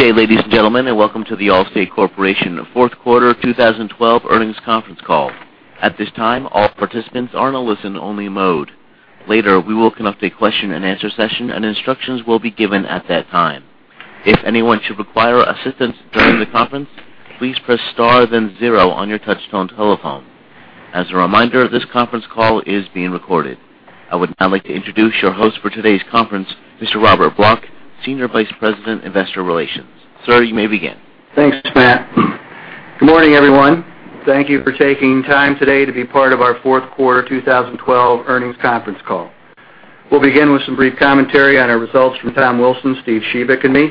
Good day, ladies and gentlemen, and welcome to The Allstate Corporation fourth quarter 2012 earnings conference call. At this time, all participants are in a listen only mode. Later, we will conduct a question and answer session, and instructions will be given at that time. If anyone should require assistance during the conference, please press star then zero on your touch-tone telephone. As a reminder, this conference call is being recorded. I would now like to introduce your host for today's conference, Mr. Robert Block, Senior Vice President, Investor Relations. Sir, you may begin. Thanks, Matt. Good morning, everyone. Thank you for taking time today to be part of our fourth quarter 2012 earnings conference call. We'll begin with some brief commentary on our results from Tom Wilson, Steve Shebik, and me,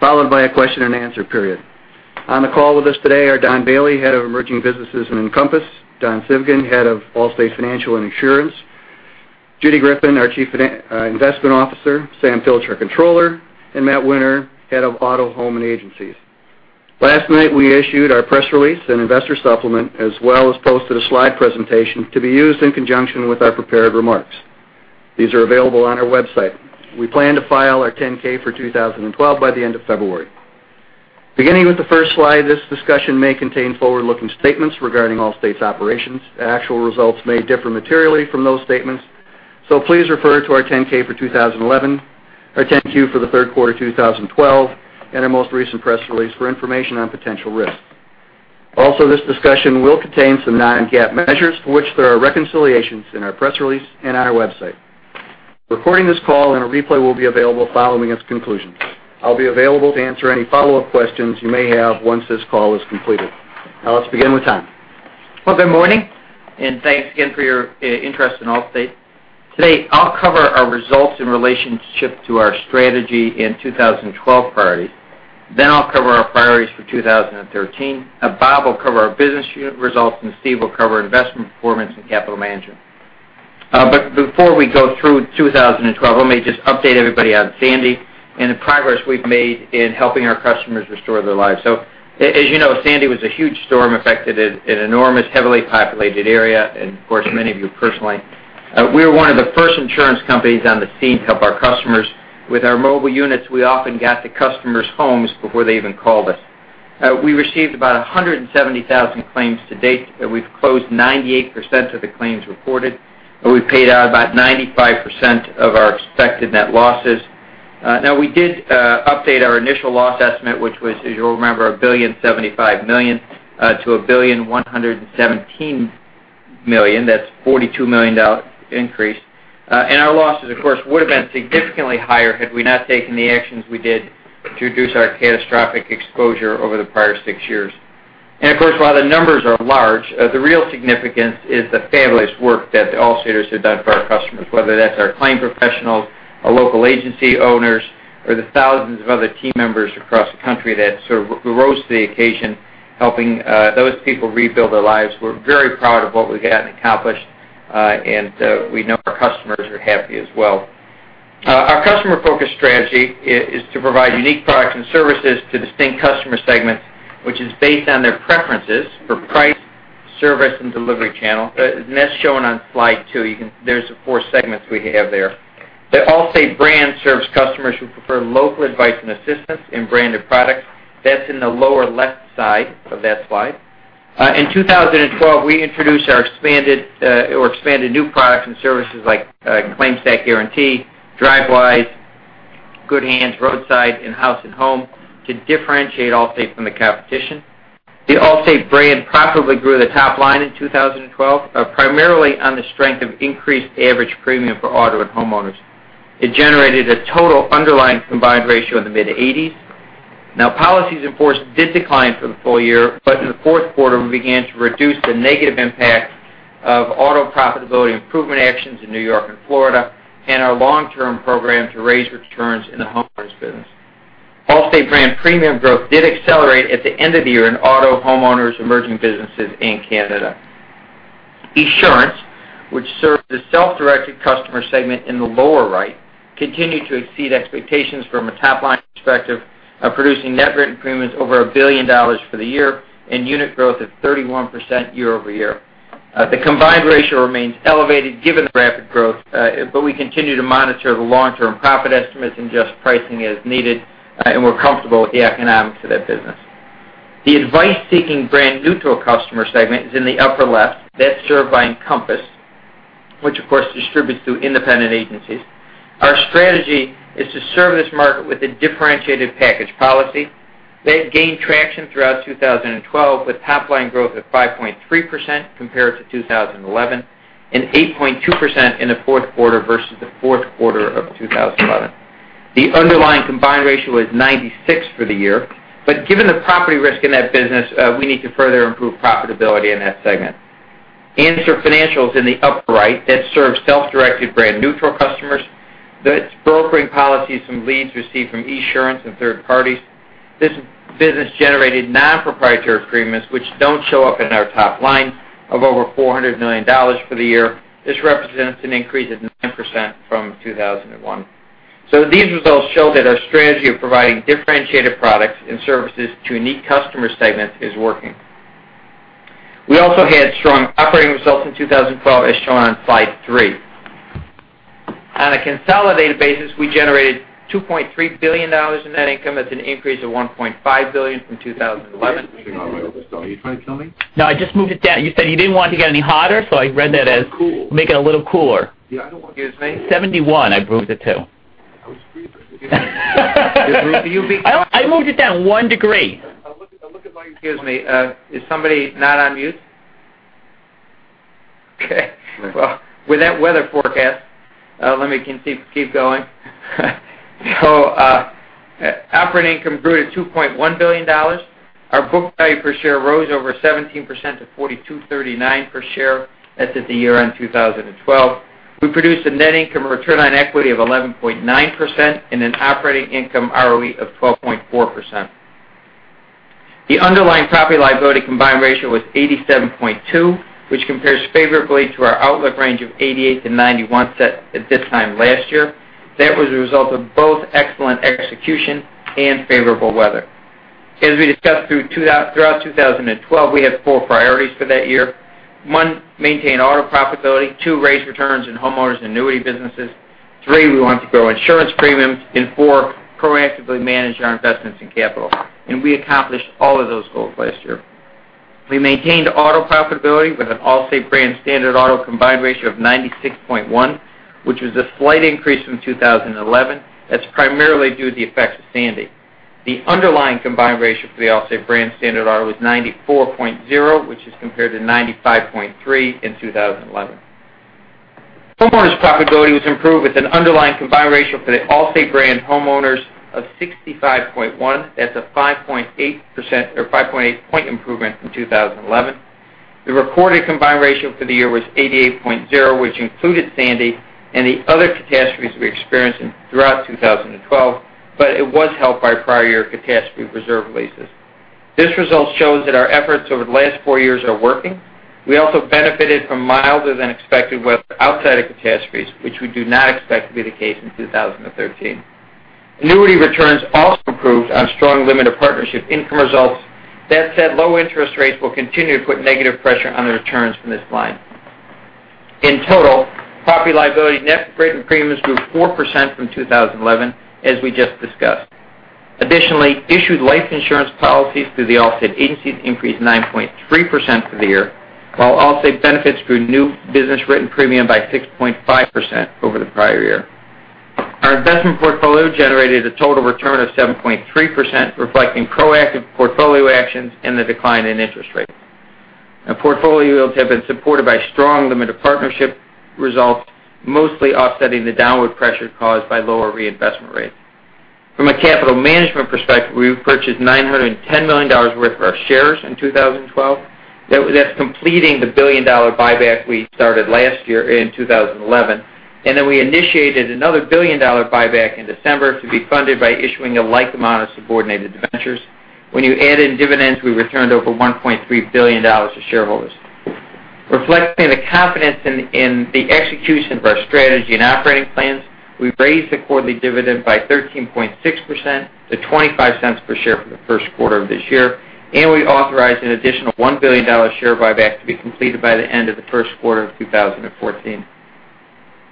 followed by a question and answer period. On the call with us today are Don Bailey, Head of Emerging Businesses and Encompass, Don Civgin, Head of Allstate Financial and Esurance, Judy Greffin, our Chief Investment Officer, Sam Pilcher, Controller, and Matt Winter, Head of Allstate Auto, Home and Agencies. Last night, we issued our press release and investor supplement, as well as posted a slide presentation to be used in conjunction with our prepared remarks. These are available on our website. We plan to file our 10-K for 2012 by the end of February. Beginning with the first slide, this discussion may contain forward-looking statements regarding Allstate's operations. The actual results may differ materially from those statements. Please refer to our 10-K for 2011, our 10-Q for the third quarter 2012, and our most recent press release for information on potential risks. Also, this discussion will contain some non-GAAP measures for which there are reconciliations in our press release and on our website. Recording this call and a replay will be available following its conclusion. I'll be available to answer any follow-up questions you may have once this call is completed. Now let's begin with Tom. Well, good morning, and thanks again for your interest in Allstate. Today, I'll cover our results in relationship to our strategy in 2012 priorities. I'll cover our priorities for 2013. Bob will cover our business unit results, and Steve will cover investment performance and capital management. Before we go through 2012, let me just update everybody on Sandy and the progress we've made in helping our customers restore their lives. As you know, Sandy was a huge storm, affected an enormous, heavily populated area, and of course, many of you personally. We were one of the first insurance companies on the scene to help our customers. With our mobile units, we often got to customers' homes before they even called us. We received about 170,000 claims to date. We've closed 98% of the claims reported, and we paid out about 95% of our expected net losses. We did update our initial loss estimate, which was, as you'll remember, $1.075 billion, to $1.117 billion. That's a $42 million increase. Our losses, of course, would have been significantly higher had we not taken the actions we did to reduce our catastrophic exposure over the prior six years. Of course, while the numbers are large, the real significance is the fabulous work that Allstaters have done for our customers, whether that's our claim professionals, our local agency owners, or the thousands of other team members across the country that sort of rose to the occasion, helping those people rebuild their lives. We're very proud of what we've gotten accomplished, and we know our customers are happy as well. Our customer focus strategy is to provide unique products and services to distinct customer segments, which is based on their preferences for price, service, and delivery channel. That's shown on slide two. There's the four segments we have there. The Allstate brand serves customers who prefer local advice and assistance and branded products. That's in the lower left side of that slide. In 2012, we introduced our expanded new products and services like Claim Satisfaction Guarantee, Drivewise, Good Hands Roadside, and House & Home to differentiate Allstate from the competition. The Allstate brand profitably grew the top line in 2012, primarily on the strength of increased average premium for auto and homeowners. It generated a total underlying combined ratio in the mid-80s. Policies in force did decline for the full year, in the fourth quarter, we began to reduce the negative impact of auto profitability improvement actions in N.Y. and Florida and our long-term program to raise returns in the homeowners business. Allstate brand premium growth did accelerate at the end of the year in auto, homeowners, emerging businesses, and Canada. Esurance, which serves the self-directed customer segment in the lower right, continued to exceed expectations from a top-line perspective of producing net written premiums over $1 billion for the year and unit growth of 31% year-over-year. The combined ratio remains elevated given the rapid growth, we continue to monitor the long-term profit estimates and adjust pricing as needed, we're comfortable with the economics of that business. The advice-seeking brand neutral customer segment is in the upper left. That's served by Encompass, which of course, distributes through independent agencies. Our strategy is to serve this market with a differentiated package policy. That gained traction throughout 2012, with top-line growth of 5.3% compared to 2011 and 8.2% in the fourth quarter versus the fourth quarter of 2011. The underlying combined ratio is 96 for the year, given the property risk in that business, we need to further improve profitability in that segment. Answer Financial is in the upper right. That serves self-directed brand neutral customers. That's brokering policies from leads received from Esurance and third parties. This business generated non-proprietary agreements, which don't show up in our top line, of over $400 million for the year. This represents an increase of 9% from 2011. These results show that our strategy of providing differentiated products and services to unique customer segments is working. We also had strong operating results in 2012, as shown on slide three. On a consolidated basis, we generated $2.3 billion in net income. That's an increase of $1.5 billion from 2011. Are you trying to kill me? No, I just moved it down. You said you didn't want it to get any hotter. I read that as- A little cool. ...make it a little cooler. Yeah, I don't want to get. 71, I've moved it to. I was freezing. You're freezing? I moved it down one degree. Look at my- Excuse me. Is somebody not on mute? Okay, well, with that weather forecast, let me keep going. Operating income grew to $2.1 billion. Our book value per share rose over 17% to $42.39 per share as of the year end 2012. We produced a net income return on equity of 11.9% and an operating income ROE of 12.4%. The underlying property liability combined ratio was 87.2, which compares favorably to our outlook range of 88-91 set at this time last year. That was a result of both excellent execution and favorable weather. As we discussed throughout 2012, we had four priorities for that year. One, maintain auto profitability. Two, raise returns in homeowners' annuity businesses. Three, we wanted to grow insurance premiums. Four, proactively manage our investments in capital. We accomplished all of those goals last year. We maintained auto profitability with an Allstate brand standard auto combined ratio of 96.1%, which was a slight increase from 2011. That's primarily due to the effects of Sandy. The underlying combined ratio for the Allstate brand standard auto was 94.0%, which is compared to 95.3% in 2011. Homeowners' profitability was improved with an underlying combined ratio for the Allstate brand homeowners of 65.1%. That's a 5.8% or 5.8 point improvement from 2011. The recorded combined ratio for the year was 88.0%, which included Sandy and the other catastrophes we experienced throughout 2012, but it was helped by prior year catastrophe reserve releases. This result shows that our efforts over the last four years are working. We also benefited from milder than expected weather outside of catastrophes, which we do not expect to be the case in 2013. Annuity returns also improved on strong limited partnership income results. That said, low interest rates will continue to put negative pressure on the returns from this line. In total, property liability net written premiums grew 4% from 2011, as we just discussed. Additionally, issued life insurance policies through the Allstate agencies increased 9.3% for the year, while Allstate Benefits grew new business written premium by 6.5% over the prior year. Our investment portfolio generated a total return of 7.3%, reflecting proactive portfolio actions and the decline in interest rates. Our portfolio yields have been supported by strong limited partnership results, mostly offsetting the downward pressure caused by lower reinvestment rates. From a capital management perspective, we purchased $910 million worth of our shares in 2012. That's completing the billion-dollar buyback we started last year in 2011. We initiated another billion dollar buyback in December to be funded by issuing a like amount of subordinated debentures. When you add in dividends, we returned over $1.3 billion to shareholders. Reflecting the confidence in the execution of our strategy and operating plans, we raised the quarterly dividend by 13.6% to $0.25 per share for the first quarter of this year, and we authorized an additional $1 billion share buyback to be completed by the end of the first quarter of 2014.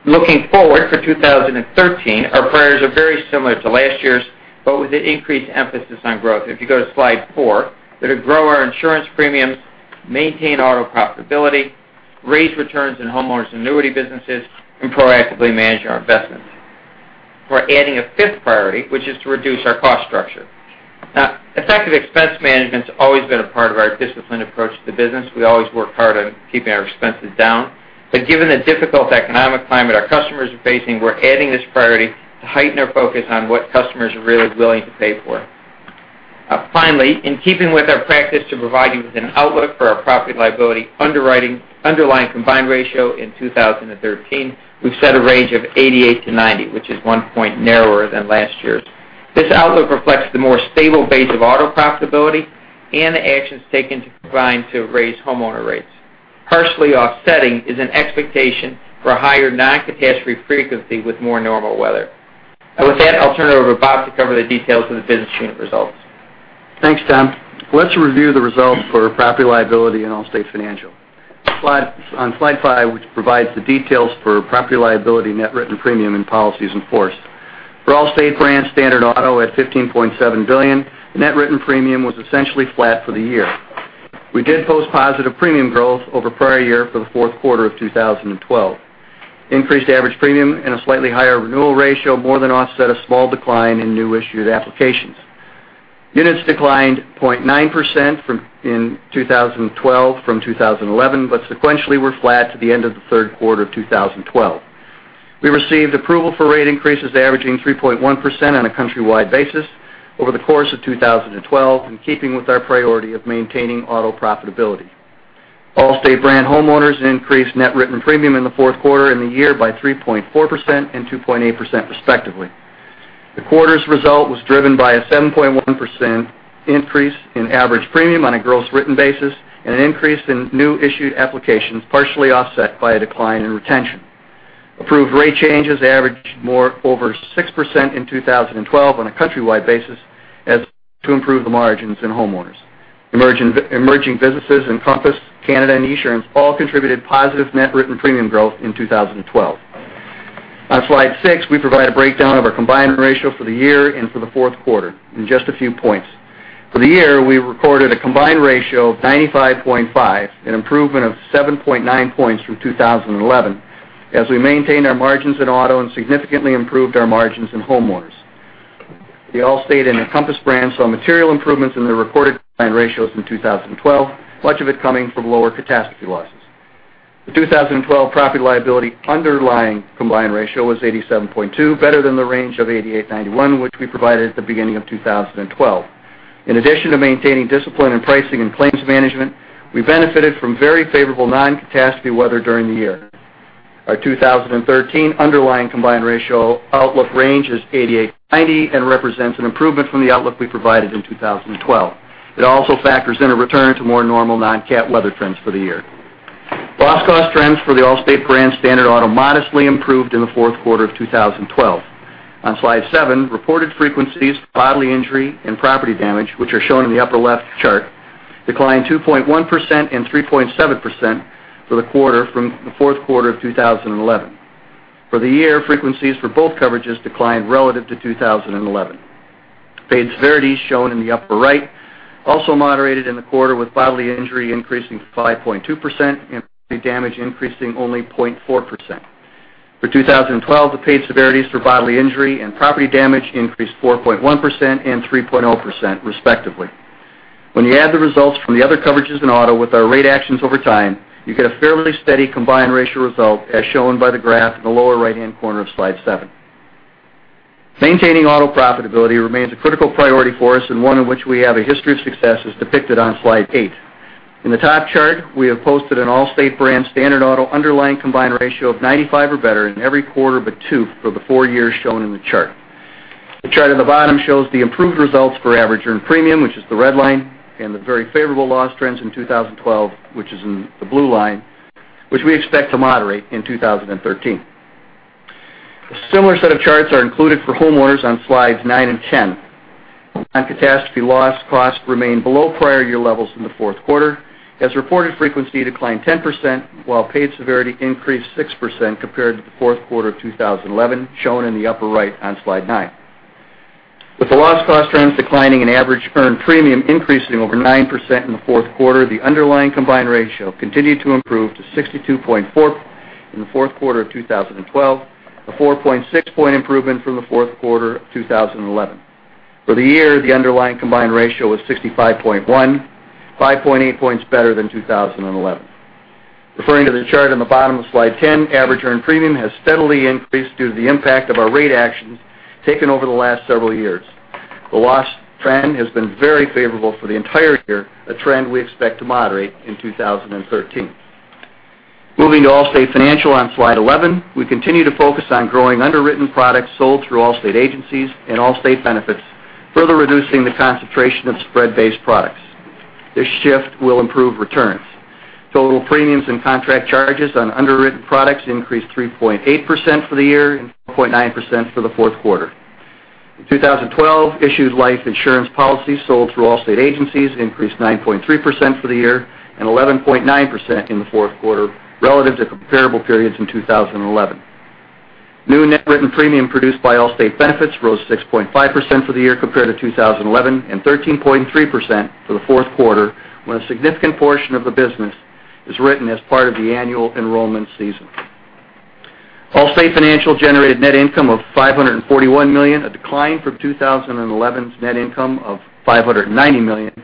Looking forward for 2013, our priorities are very similar to last year's, but with an increased emphasis on growth. If you go to slide four, they are to grow our insurance premiums, maintain auto profitability, raise returns in homeowners' annuity businesses, and proactively manage our investments. We're adding a fifth priority, which is to reduce our cost structure. Now, effective expense management's always been a part of our disciplined approach to the business. We always work hard on keeping our expenses down. But given the difficult economic climate our customers are facing, we're adding this priority to heighten our focus on what customers are really willing to pay for. Finally, in keeping with our practice to provide you with an outlook for our property liability underwriting underlying combined ratio in 2013, we've set a range of 88%-90%, which is one point narrower than last year's. This outlook reflects the more stable base of auto profitability and the actions taken to combine to raise homeowner rates. Partially offsetting is an expectation for higher non-catastrophe frequency with more normal weather. Now with that, I'll turn it over to Bob to cover the details of the business unit results. Thanks, Tom. Let's review the results for property liability in Allstate Financial. On slide five, which provides the details for property liability net written premium and policies in force. For Allstate brand standard auto at $15.7 billion, net written premium was essentially flat for the year. We did post positive premium growth over prior year for the fourth quarter of 2012. Increased average premium and a slightly higher renewal ratio more than offset a small decline in new issued applications. Units declined 0.9% in 2012 from 2011, but sequentially were flat to the end of the third quarter of 2012. We received approval for rate increases averaging 3.1% on a countrywide basis over the course of 2012 in keeping with our priority of maintaining auto profitability. Allstate brand homeowners increased net written premium in the fourth quarter and the year by 3.4% and 2.8% respectively. The quarter's result was driven by a 7.1% increase in average premium on a gross written basis and an increase in new issued applications, partially offset by a decline in retention. Approved rate changes averaged more over 6% in 2012 on a countrywide basis as to improve the margins in homeowners. Emerging businesses Encompass, Canada, and Esurance all contributed positive net written premium growth in 2012. On slide six, we provide a breakdown of our combined ratio for the year and for the fourth quarter in just a few points. For the year, we recorded a combined ratio of 95.5, an improvement of 7.9 points from 2011, as we maintained our margins in auto and significantly improved our margins in homeowners. The Allstate and Encompass brands saw material improvements in their reported combined ratios in 2012, much of it coming from lower catastrophe losses. The 2012 property liability underlying combined ratio was 87.2, better than the range of 88-91, which we provided at the beginning of 2012. In addition to maintaining discipline in pricing and claims management, we benefited from very favorable non-catastrophe weather during the year. Our 2013 underlying combined ratio outlook range is 88-90 and represents an improvement from the outlook we provided in 2012. It also factors in a return to more normal non-cat weather trends for the year. Loss cost trends for the Allstate brand standard auto modestly improved in the fourth quarter of 2012. On slide seven, reported frequencies for bodily injury and property damage, which are shown in the upper left chart, declined 2.1% and 3.7% for the quarter from the fourth quarter of 2011. For the year, frequencies for both coverages declined relative to 2011. Paid severity shown in the upper right also moderated in the quarter with bodily injury increasing 5.2% and property damage increasing only 0.4%. For 2012, the paid severities for bodily injury and property damage increased 4.1% and 3.0% respectively. When you add the results from the other coverages in auto with our rate actions over time, you get a fairly steady combined ratio result as shown by the graph in the lower right-hand corner of slide seven. Maintaining auto profitability remains a critical priority for us and one in which we have a history of success as depicted on slide eight. In the top chart, we have posted an Allstate brand standard auto underlying combined ratio of 95 or better in every quarter but two for the four years shown in the chart. The chart on the bottom shows the improved results for average earned premium, which is the red line, and the very favorable loss trends in 2012, which is in the blue line, which we expect to moderate in 2013. A similar set of charts are included for homeowners on slides nine and 10. Non-catastrophe loss costs remain below prior year levels in the fourth quarter, as reported frequency declined 10%, while paid severity increased 6% compared to the fourth quarter of 2011, shown in the upper right on slide nine. With the loss cost trends declining and average earned premium increasing over 9% in the fourth quarter, the underlying combined ratio continued to improve to 62.4 in the fourth quarter of 2012, a 4.6 point improvement from the fourth quarter of 2011. For the year, the underlying combined ratio was 65.1, 5.8 points better than 2011. Referring to the chart on the bottom of slide 10, average earned premium has steadily increased due to the impact of our rate actions taken over the last several years. The loss trend has been very favorable for the entire year, a trend we expect to moderate in 2013. Moving to Allstate Financial on slide 11, we continue to focus on growing underwritten products sold through Allstate agencies and Allstate Benefits, further reducing the concentration of spread-based products. This shift will improve returns. Total premiums and contract charges on underwritten products increased 3.8% for the year and 4.9% for the fourth quarter. In 2012, issued life insurance policies sold through Allstate agencies increased 9.3% for the year and 11.9% in the fourth quarter relative to comparable periods in 2011. New net written premium produced by Allstate Benefits rose 6.5% for the year compared to 2011 and 13.3% for the fourth quarter, when a significant portion of the business is written as part of the annual enrollment season. Allstate Financial generated net income of $541 million, a decline from 2011's net income of $590 million,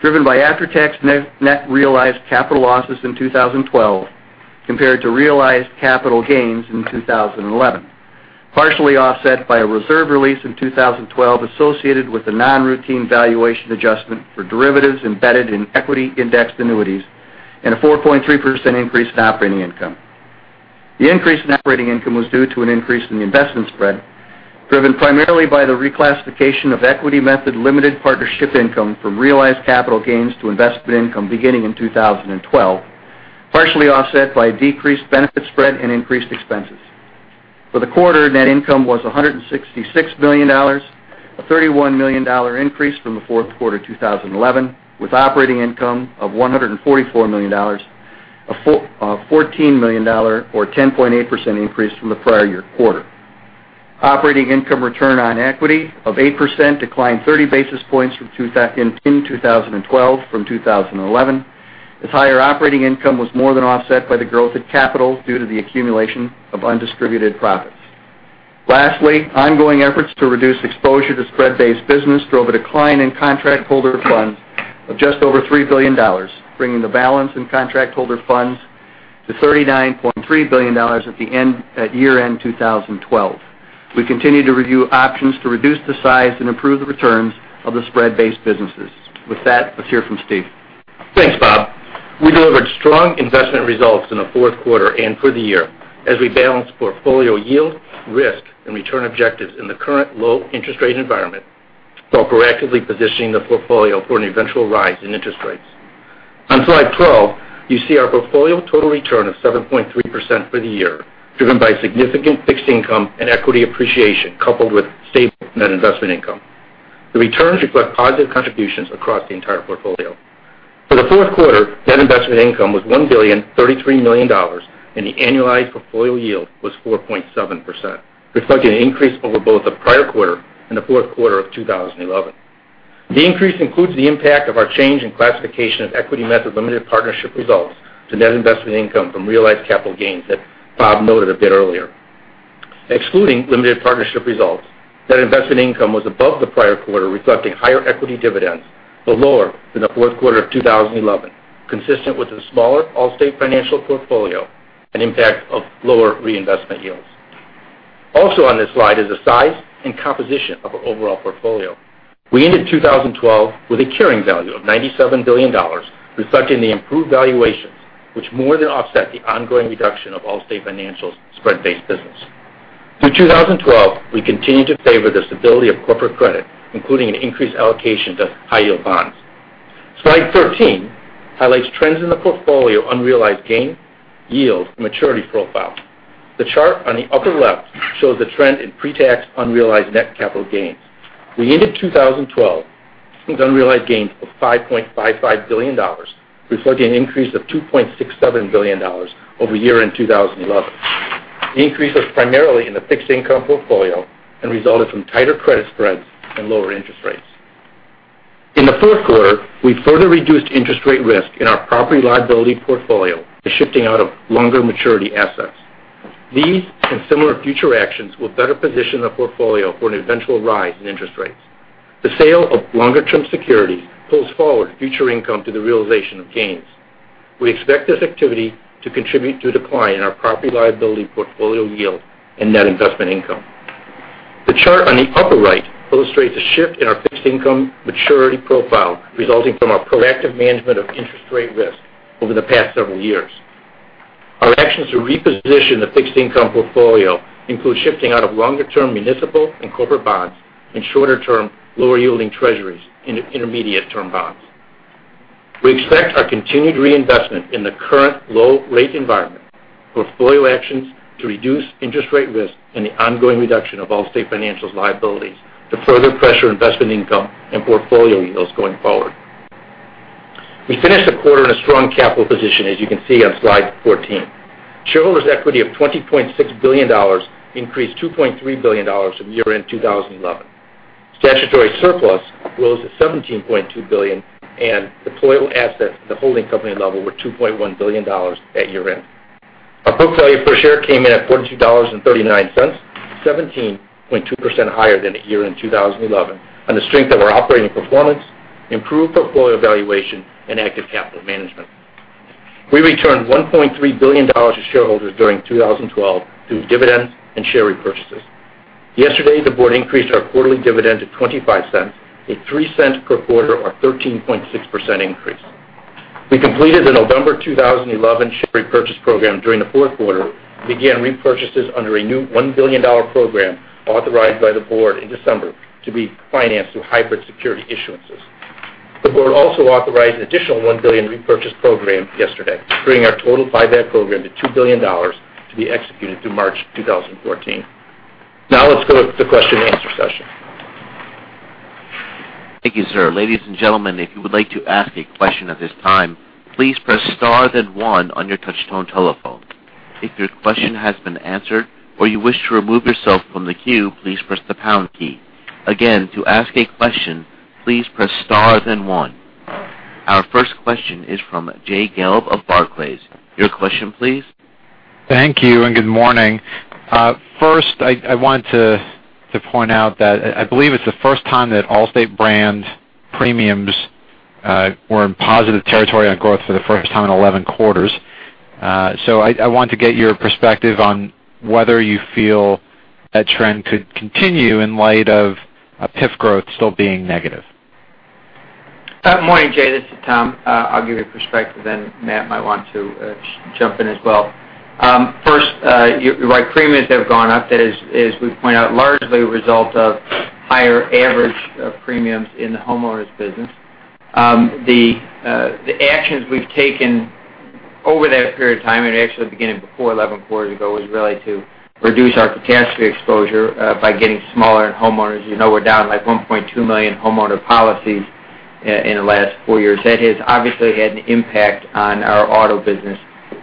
driven by after-tax net realized capital losses in 2012 compared to realized capital gains in 2011, partially offset by a reserve release in 2012 associated with the non-routine valuation adjustment for derivatives embedded in equity-indexed annuities and a 4.3% increase in operating income. The increase in operating income was due to an increase in the investment spread, driven primarily by the reclassification of equity method limited partnership income from realized capital gains to investment income beginning in 2012, partially offset by decreased benefit spread and increased expenses. For the quarter, net income was $166 million, a $31 million increase from the fourth quarter 2011, with operating income of $144 million, a $14 million or 10.8% increase from the prior year quarter. Operating income return on equity of 8% declined 30 basis points in 2012 from 2011, as higher operating income was more than offset by the growth in capital due to the accumulation of undistributed profits. Lastly, ongoing efforts to reduce exposure to spread-based business drove a decline in contract holder funds of just over $3 billion, bringing the balance in contract holder funds to $39.3 billion at year-end 2012. We continue to review options to reduce the size and improve the returns of the spread-based businesses. With that, let's hear from Steve. Thanks, Bob. We delivered strong investment results in the fourth quarter and for the year as we balance portfolio yield, risk, and return objectives in the current low interest rate environment while proactively positioning the portfolio for an eventual rise in interest rates. On slide 12, you see our portfolio total return of 7.3% for the year, driven by significant fixed income and equity appreciation, coupled with stable net investment income. The returns reflect positive contributions across the entire portfolio. For the fourth quarter, net investment income was $1.033 billion, and the annualized portfolio yield was 4.7%, reflecting an increase over both the prior quarter and the fourth quarter of 2011. The increase includes the impact of our change in classification of equity method limited partnership results to net investment income from realized capital gains that Bob noted a bit earlier. Excluding limited partnership results, net investment income was above the prior quarter, reflecting higher equity dividends but lower than the fourth quarter of 2011, consistent with the smaller Allstate Financial portfolio and impact of lower reinvestment yields. Also on this slide is the size and composition of our overall portfolio. We ended 2012 with a carrying value of $97 billion, reflecting the improved valuations, which more than offset the ongoing reduction of Allstate Financial's spread-based business. Through 2012, we continued to favor the stability of corporate credit, including an increased allocation to high-yield bonds. Slide 13 highlights trends in the portfolio unrealized gain, yield, and maturity profile. The chart on the upper left shows the trend in pre-tax unrealized net capital gains. We ended 2012 with unrealized gains of $5.55 billion, reflecting an increase of $2.67 billion over year-end 2011. The increase was primarily in the fixed income portfolio and resulted from tighter credit spreads and lower interest rates. In the fourth quarter, we further reduced interest rate risk in our property liability portfolio by shifting out of longer maturity assets. These and similar future actions will better position the portfolio for an eventual rise in interest rates. The sale of longer-term securities pulls forward future income to the realization of gains. We expect this activity to contribute to a decline in our property liability portfolio yield and net investment income. The chart on the upper right illustrates a shift in our fixed income maturity profile resulting from our proactive management of interest rate risk over the past several years. Our actions to reposition the fixed income portfolio include shifting out of longer-term municipal and corporate bonds and shorter-term, lower-yielding Treasuries into intermediate-term bonds. We expect our continued reinvestment in the current low-rate environment, portfolio actions to reduce interest rate risk, and the ongoing reduction of Allstate Financial's liabilities to further pressure investment income and portfolio yields going forward. We finished the quarter in a strong capital position, as you can see on slide 14. Shareholders' equity of $20.6 billion increased $2.3 billion from year-end 2011. Statutory surplus rose to $17.2 billion, and deployable assets at the holding company level were $2.1 billion at year-end. Our book value per share came in at $42.39, 17.2% higher than at year-end 2011, on the strength of our operating performance, improved portfolio valuation, and active capital management. We returned $1.3 billion to shareholders during 2012 through dividends and share repurchases. Yesterday, the board increased our quarterly dividend to $0.25, a $0.03 per quarter or 13.6% increase. We completed the November 2011 share repurchase program during the fourth quarter and began repurchases under a new $1 billion program authorized by the board in December to be financed through hybrid security issuances. The board also authorized an additional $1 billion repurchase program yesterday, bringing our total buyback program to $2 billion to be executed through March 2014. Let's go to the question and answer session. Thank you, sir. Ladies and gentlemen, if you would like to ask a question at this time, please press star then one on your touch-tone telephone. If your question has been answered or you wish to remove yourself from the queue, please press the pound key. Again, to ask a question, please press star then one. Our first question is from Jay Gelb of Barclays. Your question, please. Thank you, and good morning. First, I want to point out that I believe it's the first time that Allstate brand premiums were in positive territory on growth for the first time in 11 quarters. I want to get your perspective on whether you feel that trend could continue in light of PIF growth still being negative. Good morning, Jay. This is Tom. I'll give you perspective. Matt might want to jump in as well. First, you're right, premiums have gone up. That is, as we point out, largely a result of higher average premiums in the homeowners business. The actions we've taken over that period of time, and actually beginning before 11 quarters ago, was really to reduce our catastrophe exposure by getting smaller in homeowners. We're down like 1.2 million homeowner policies in the last four years. That has obviously had an impact on our auto business.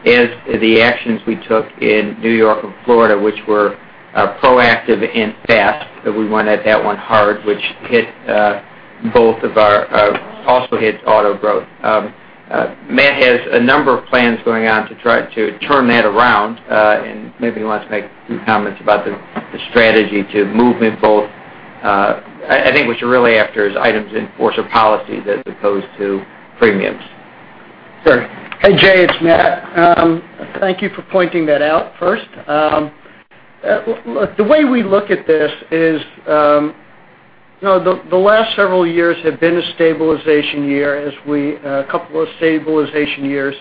As the actions we took in New York and Florida, which were proactive and fast, that we went at that one hard, which also hits auto growth. Matt has a number of plans going on to try to turn that around. Maybe he wants to make a few comments about the strategy to move in both. I think what you're really after is items in force or policy as opposed to premiums. Sure. Hey, Jay, it's Matt. Thank you for pointing that out first. The way we look at this is the last several years have been a couple of stabilization years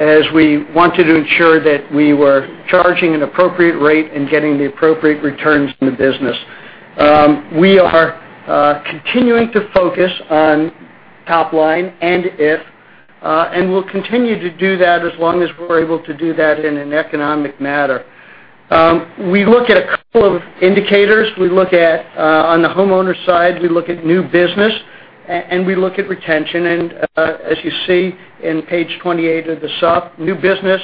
as we wanted to ensure that we were charging an appropriate rate and getting the appropriate returns in the business. We are continuing to focus on top line and IF, and we'll continue to do that as long as we're able to do that in an economic matter. We look at a couple of indicators. On the homeowner side, we look at new business, and we look at retention. As you see on page 28 of the sup, new business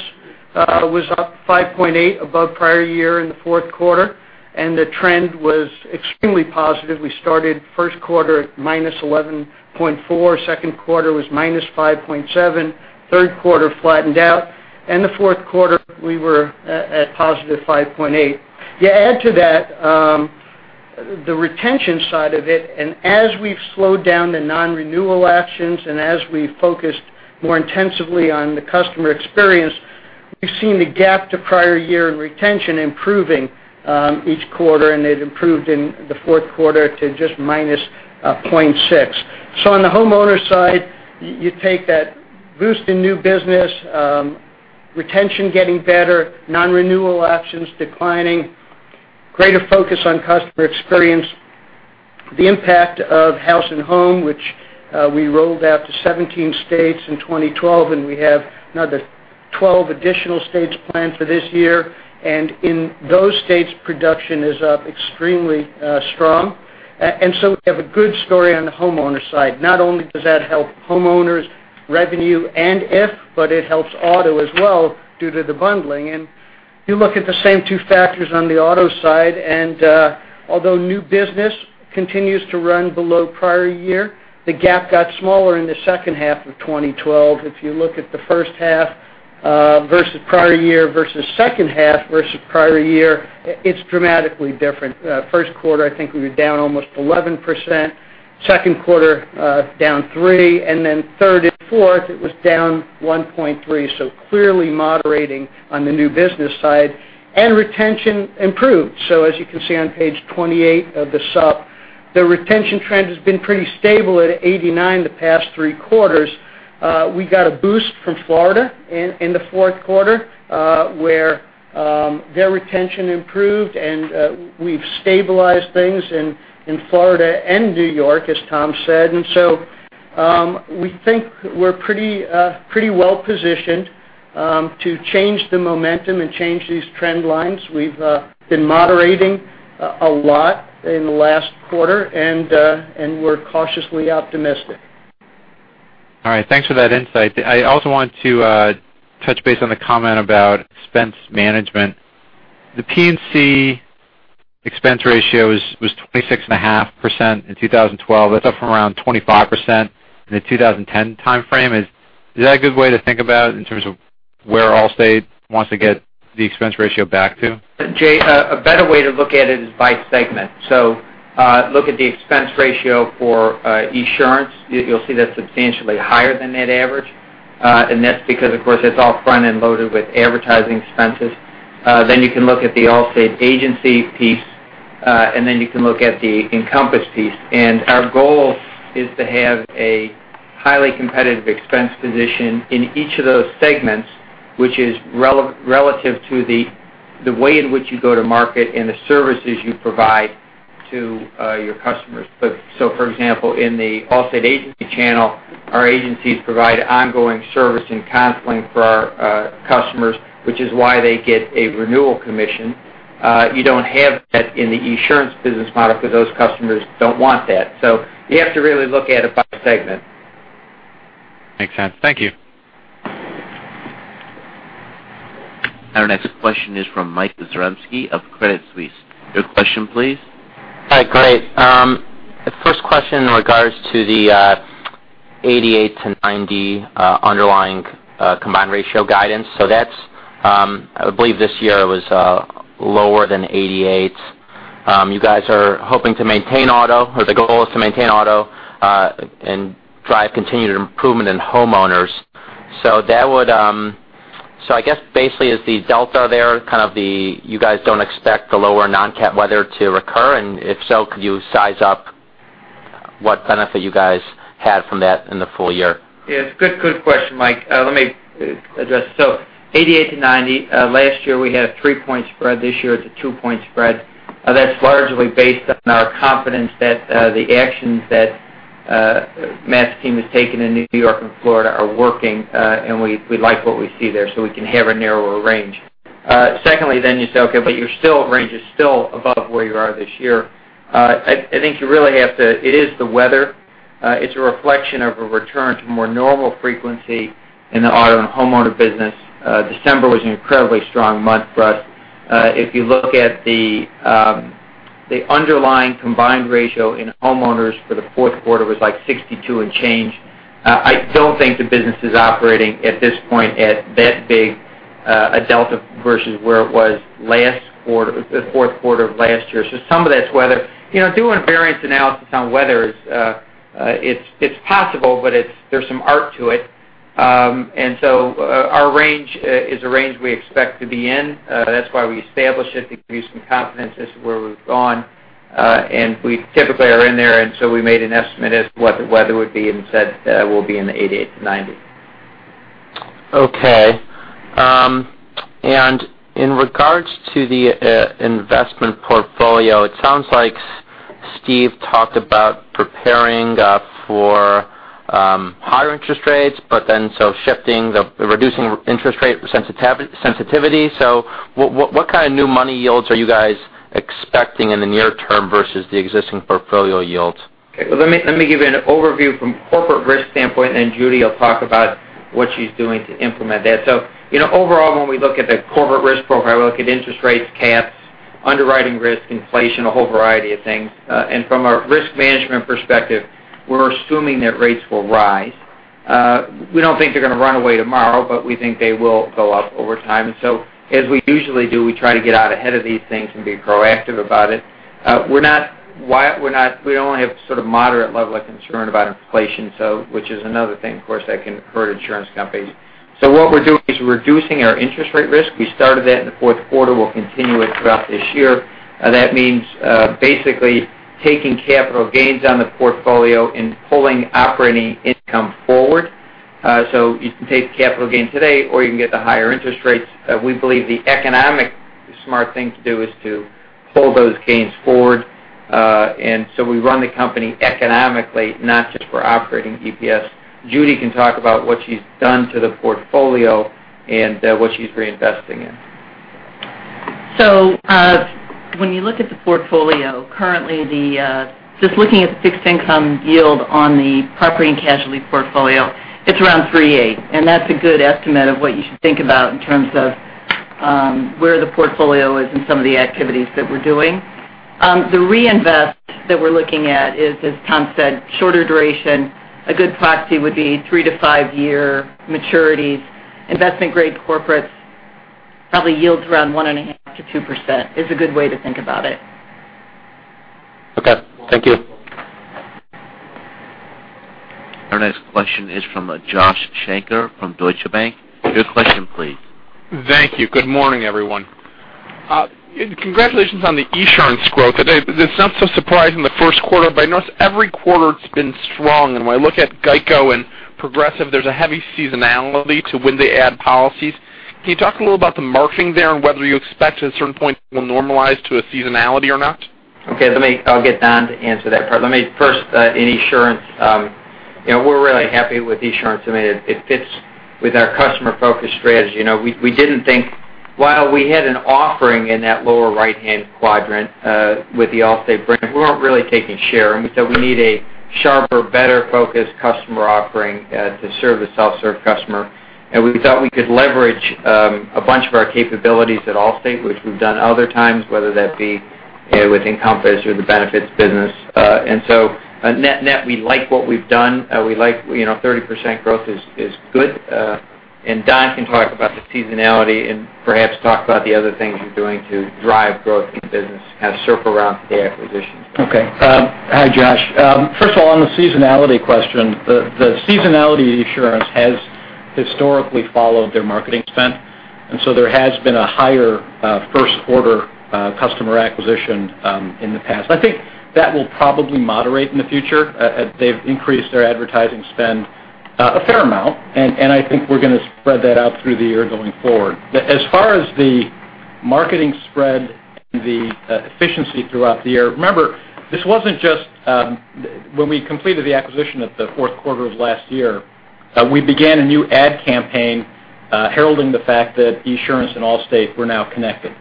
was up 5.8% above prior year in the fourth quarter, and the trend was extremely positive. We started first quarter at -11.4%, second quarter was -5.7%, third quarter flattened out, and the fourth quarter, we were at positive 5.8%. You add to that the retention side of it, and as we've slowed down the non-renewal actions, and as we've focused more intensively on the customer experience, we've seen the gap to prior year in retention improving each quarter, and it improved in the fourth quarter to just -0.6%. On the homeowner side, you take that boost in new business, retention getting better, non-renewal actions declining, greater focus on customer experience, the impact of House & Home, which we rolled out to 17 states in 2012, and we have another 12 additional states planned for this year. In those states, production is up extremely strong. We have a good story on the homeowner side. Not only does that help homeowners revenue and IF, but it helps auto as well due to the bundling. You look at the same two factors on the auto side, and although new business continues to run below prior year, the gap got smaller in the second half of 2012. If you look at the first half versus prior year versus second half versus prior year, it's dramatically different. First quarter, I think we were down almost 11%, second quarter down 3%, then third and fourth, it was down 1.3%. Clearly moderating on the new business side. Retention improved. As you can see on page 28 of the sup, the retention trend has been pretty stable at 89% the past three quarters. We got a boost from Florida in the fourth quarter, where their retention improved, and we've stabilized things in Florida and New York, as Tom said. We think we're pretty well positioned to change the momentum and change these trend lines. We've been moderating a lot in the last quarter, and we're cautiously optimistic. All right. Thanks for that insight. I also want to touch base on the comment about expense management. The P&C expense ratio was 26.5% in 2012. That's up from around 25% in the 2010 timeframe. Is that a good way to think about it in terms of where Allstate wants to get the expense ratio back to? Jay, a better way to look at it is by segment. Look at the expense ratio for Esurance. You'll see that's substantially higher than net average. That's because, of course, it's all front-end loaded with advertising expenses. You can look at the Allstate agency piece, then you can look at the Encompass piece. Our goal is to have a highly competitive expense position in each of those segments, which is relative to the way in which you go to market and the services you provide to your customers. For example, in the Allstate agency channel, our agencies provide ongoing service and counseling for our customers, which is why they get a renewal commission. You don't have that in the Esurance business model because those customers don't want that. You have to really look at it by segment. Makes sense. Thank you. Our next question is from Michael Zaremski of Credit Suisse. Your question please. Hi, great. The first question in regards to the 88-90 underlying combined ratio guidance. I believe this year it was lower than 88. You guys are hoping to maintain auto, or the goal is to maintain auto, and drive continued improvement in homeowners. I guess basically is the delta there kind of the, you guys don't expect the lower non-cat weather to recur? And if so, could you size up what benefit you guys had from that in the full year? Yes. Good question, Mike. Let me address. 88-90. Last year we had a 3-point spread. This year it's a 2-point spread. That's largely based on our confidence that the actions that Matt's team has taken in New York and Florida are working, and we like what we see there, so we can have a narrower range. Secondly you say, okay, your range is still above where you are this year. I think it is the weather. It's a reflection of a return to more normal frequency in the auto and homeowner business. December was an incredibly strong month for us. If you look at the underlying combined ratio in homeowners for the fourth quarter was like 62 and change. I don't think the business is operating at this point at that big a delta versus where it was fourth quarter of last year. Some of that's weather. Doing variance analysis on weather, it's possible, but there's some art to it. Our range is a range we expect to be in. That's why we establish it, to give you some confidence as to where we've gone. We typically are in there, we made an estimate as to what the weather would be and said we'll be in the 88-90. In regards to the investment portfolio, it sounds like Steve talked about preparing for higher interest rates, shifting, reducing interest rate sensitivity. What kind of new money yields are you guys expecting in the near term versus the existing portfolio yields? Okay. Let me give you an overview from corporate risk standpoint, Judy will talk about what she's doing to implement that. Overall, when we look at the corporate risk profile, we look at interest rates, caps, underwriting risk, inflation, a whole variety of things. From a risk management perspective, we're assuming that rates will rise. We don't think they're going to run away tomorrow, we think they will go up over time. As we usually do, we try to get out ahead of these things and be proactive about it. We only have sort of moderate level of concern about inflation, which is another thing, of course, that can hurt insurance companies. What we're doing is reducing our interest rate risk. We started that in the fourth quarter. We'll continue it throughout this year. That means basically taking capital gains on the portfolio and pulling operating income forward. You can take the capital gain today, or you can get the higher interest rates. We believe the economic smart thing to do is to pull those gains forward. We run the company economically, not just for operating EPS. Judy can talk about what she's done to the portfolio and what she's reinvesting in. When you look at the portfolio, currently just looking at the fixed income yield on the property and casualty portfolio, it's around 3.8%, that's a good estimate of what you should think about in terms of where the portfolio is and some of the activities that we're doing. The reinvest that we're looking at is, as Tom said, shorter duration. A good proxy would be three to five-year maturities. Investment-grade corporates, probably yields around 1.5% to 2% is a good way to think about it. Okay. Thank you. Our next question is from Josh Shanker from Deutsche Bank. Your question, please. Thank you. Good morning, everyone. Congratulations on the Esurance growth. It's not so surprising the first quarter, but I notice every quarter it's been strong. When I look at GEICO and Progressive, there's a heavy seasonality to when they add policies. Can you talk a little about the marketing there and whether you expect at a certain point it will normalize to a seasonality or not? Okay. I'll get Don to answer that part. Let me first, in Esurance, we're really happy with Esurance. It fits with our customer focus strategy. While we had an offering in that lower right-hand quadrant with the Allstate brand, we weren't really taking share. We said we need a sharper, better focused customer offering to serve the self-serve customer. We thought we could leverage a bunch of our capabilities at Allstate, which we've done other times, whether that be with Encompass or the benefits business. Net-net, we like what we've done. 30% growth is good. Don can talk about the seasonality and perhaps talk about the other things you're doing to drive growth in the business, kind of circle around to the acquisition. Okay. Hi, Josh. First of all, on the seasonality question, the seasonality of Esurance has historically followed their marketing spend, and so there has been a higher first-order customer acquisition in the past. I think that will probably moderate in the future. They've increased their advertising spend a fair amount, and I think we're going to spread that out through the year going forward. As far as the marketing spread and the efficiency throughout the year, remember, when we completed the acquisition at the fourth quarter of last year, we began a new ad campaign heralding the fact that Esurance and Allstate were now connected.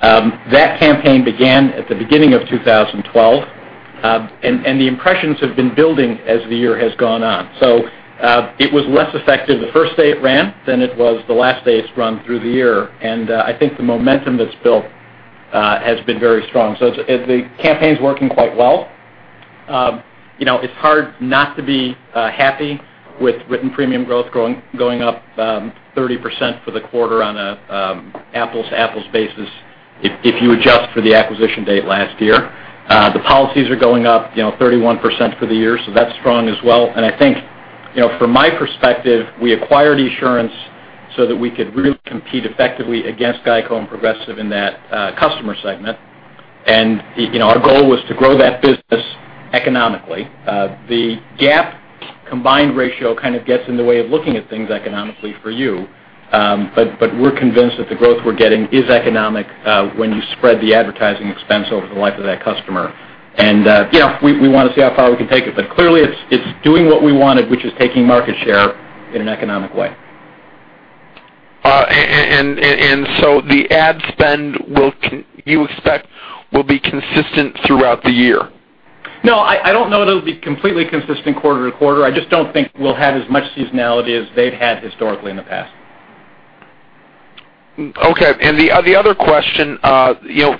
That campaign began at the beginning of 2012, and the impressions have been building as the year has gone on. It was less effective the first day it ran than it was the last day it's run through the year. I think the momentum that's built has been very strong. The campaign's working quite well. It's hard not to be happy with written premium growth going up 30% for the quarter on an apples-to-apples basis if you adjust for the acquisition date last year. The policies are going up 31% for the year, so that's strong as well. Our goal was to grow that business economically. The GAAP combined ratio kind of gets in the way of looking at things economically for you. We're convinced that the growth we're getting is economic when you spread the advertising expense over the life of that customer. We want to see how far we can take it. Clearly, it's doing what we wanted, which is taking market share in an economic way. The ad spend, you expect will be consistent throughout the year? No, I don't know that it'll be completely consistent quarter to quarter. I just don't think we'll have as much seasonality as they've had historically in the past. Okay. The other question,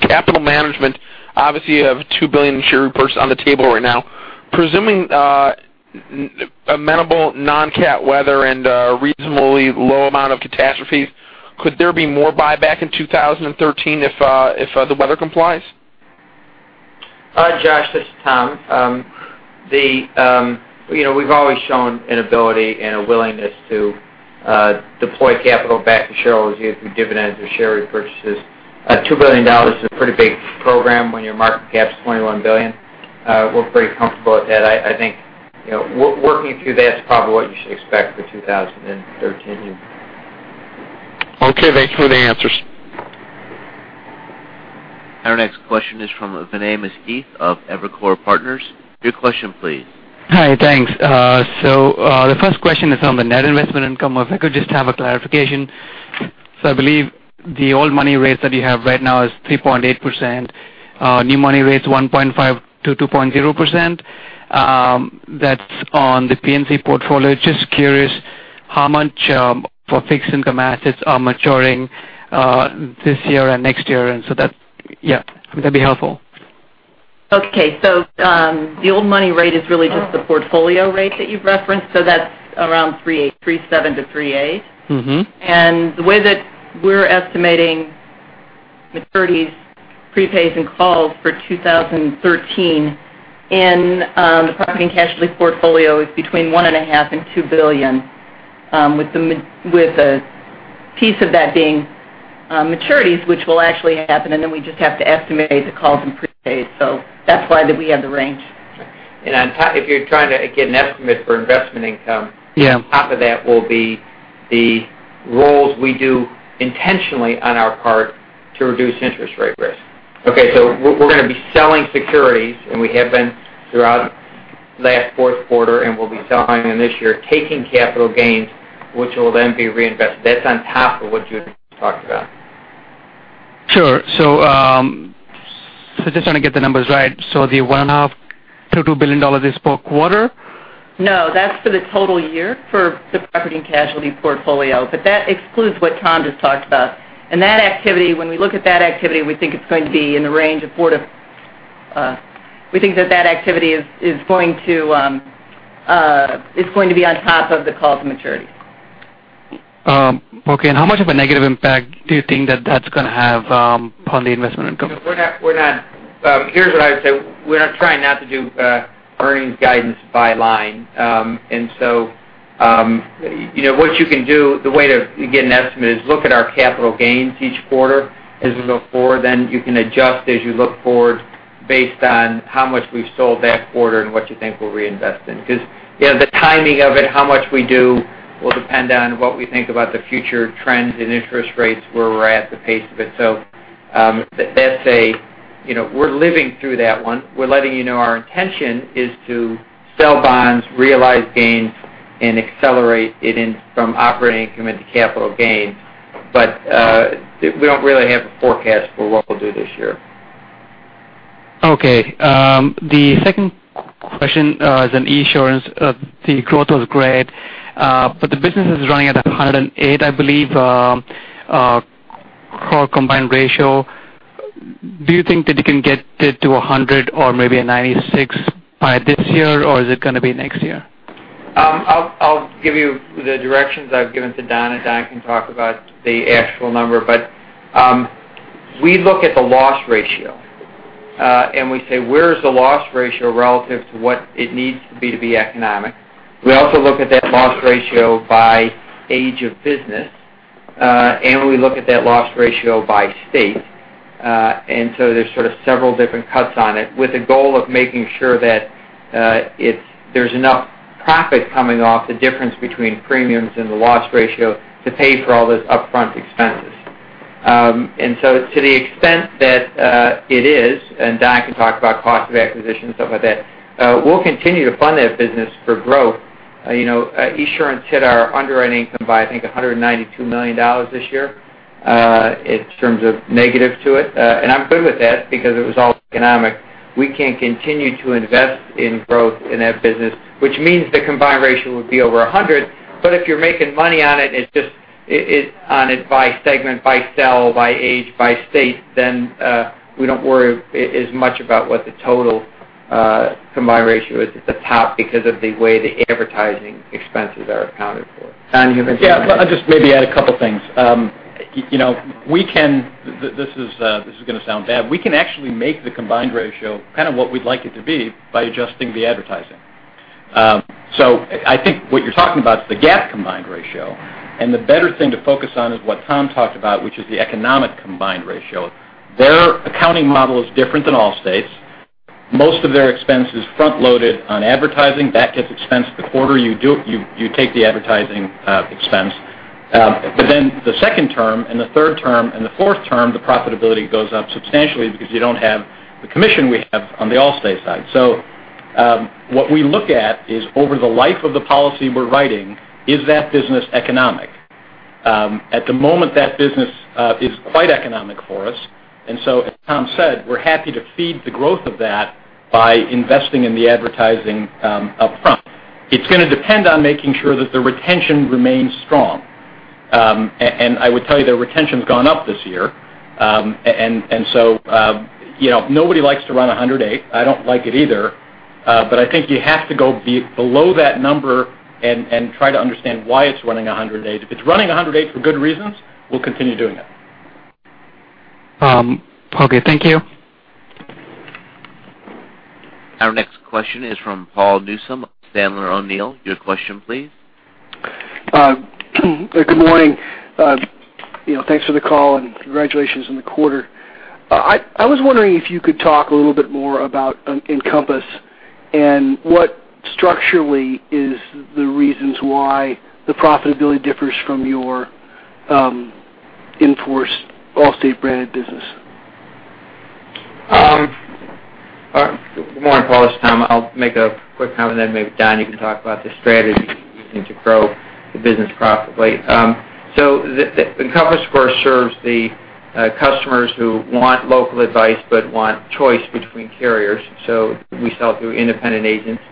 capital management. Obviously, you have $2 billion in share repurchase on the table right now. Presuming amenable non-cat weather and a reasonably low amount of catastrophes, could there be more buyback in 2013 if the weather complies? Hi, Josh. This is Tom. We've always shown an ability and a willingness to deploy capital back to shareholders via through dividends or share repurchases. $2 billion is a pretty big program when your market cap's $21 billion. We're pretty comfortable at that. I think working through that's probably what you should expect for 2013. Okay, thanks for the answers. Our next question is from Vinay Misquith of Evercore Partners. Your question please. Hi, thanks. The first question is on the net investment income, if I could just have a clarification. I believe the old money rates that you have right now is 3.8%, new money rate is 1.5%-2.0%. That's on the P&C portfolio. Just curious how much for fixed income assets are maturing this year and next year. Yeah, that'd be helpful. Okay. The old money rate is really just the portfolio rate that you've referenced. That's around 3.7%-3.8%. The way that we're estimating maturities, prepays, and calls for 2013 in the property and casualty portfolio is between $1.5 billion and $2 billion, with a piece of that being maturities which will actually happen, and then we just have to estimate the calls and prepays. That's why that we have the range. If you're trying to get an estimate for investment income. Yeah On top of that will be the rolls we do intentionally on our part to reduce interest rate risk. We're going to be selling securities, and we have been throughout last fourth quarter and we'll be selling them this year, taking capital gains, which will then be reinvested. That's on top of what you just talked about. Sure. Just trying to get the numbers right. The $1.5 billion to $2 billion is per quarter? No, that's for the total year for the property and casualty portfolio. That excludes what Tom just talked about. When we look at that activity, we think that activity is going to be on top of the calls and maturities. Okay, how much of a negative impact do you think that's going to have on the investment income? Here's what I would say. We're trying not to do earnings guidance by line. What you can do, the way to get an estimate is look at our capital gains each quarter as we go forward. You can adjust as you look forward based on how much we've sold that quarter and what you think we'll reinvest in. The timing of it, how much we do, will depend on what we think about the future trends in interest rates, where we're at, the pace of it. We're living through that one. We're letting you know our intention is to sell bonds, realize gains, and accelerate it from operating income into capital gains. We don't really have a forecast for what we'll do this year. Okay. The second question is on Esurance. The growth was great, the business is running at 108, I believe, core combined ratio. Do you think that you can get it to 100 or maybe a 96 by this year, or is it going to be next year? I'll give you the directions I've given to Don. Don can talk about the actual number. We look at the loss ratio, and we say, "Where is the loss ratio relative to what it needs to be to be economic?" We also look at that loss ratio by age of business. We look at that loss ratio by state. There's sort of several different cuts on it with the goal of making sure that there's enough profit coming off the difference between premiums and the loss ratio to pay for all those upfront expenses. To the extent that it is, and Don can talk about cost of acquisition and stuff like that, we'll continue to fund that business for growth. Esurance hit our underwriting income by, I think, $192 million this year in terms of negatives to it. I'm good with that because it was all economic. We can continue to invest in growth in that business. Which means the combined ratio would be over 100, but if you're making money on it by segment, by sale, by age, by state, then we don't worry as much about what the total combined ratio is at the top because of the way the advertising expenses are accounted for. Don, do you have anything to add? Yeah. I'll just maybe add a couple of things. This is going to sound bad. We can actually make the combined ratio kind of what we'd like it to be by adjusting the advertising. I think what you're talking about is the GAAP combined ratio. The better thing to focus on is what Tom talked about, which is the economic combined ratio. Their accounting model is different than Allstate's. Most of their expense is front-loaded on advertising. That gets expensed the quarter you take the advertising expense. The second term and the third term and the fourth term, the profitability goes up substantially because you don't have the commission we have on the Allstate side. What we look at is over the life of the policy we're writing, is that business economic? At the moment, that business is quite economic for us, and so as Tom said, we're happy to feed the growth of that by investing in the advertising upfront. It's going to depend on making sure that the retention remains strong. I would tell you that retention's gone up this year. Nobody likes to run 108. I don't like it either. I think you have to go below that number and try to understand why it's running 108. If it's running 108 for good reasons, we'll continue doing it. Okay, thank you. Our next question is from Paul Newsome of Sandler O'Neill. Your question, please. Good morning. Thanks for the call. Congratulations on the quarter. I was wondering if you could talk a little bit more about Encompass and what structurally is the reasons why the profitability differs from your in-force Allstate brand business. Good morning, Paul. It's Tom. I'll make a quick comment. Then maybe Don, you can talk about the strategy we're using to grow the business profitably. Encompass, of course, serves the customers who want local advice but want choice between carriers, so we sell through independent agents.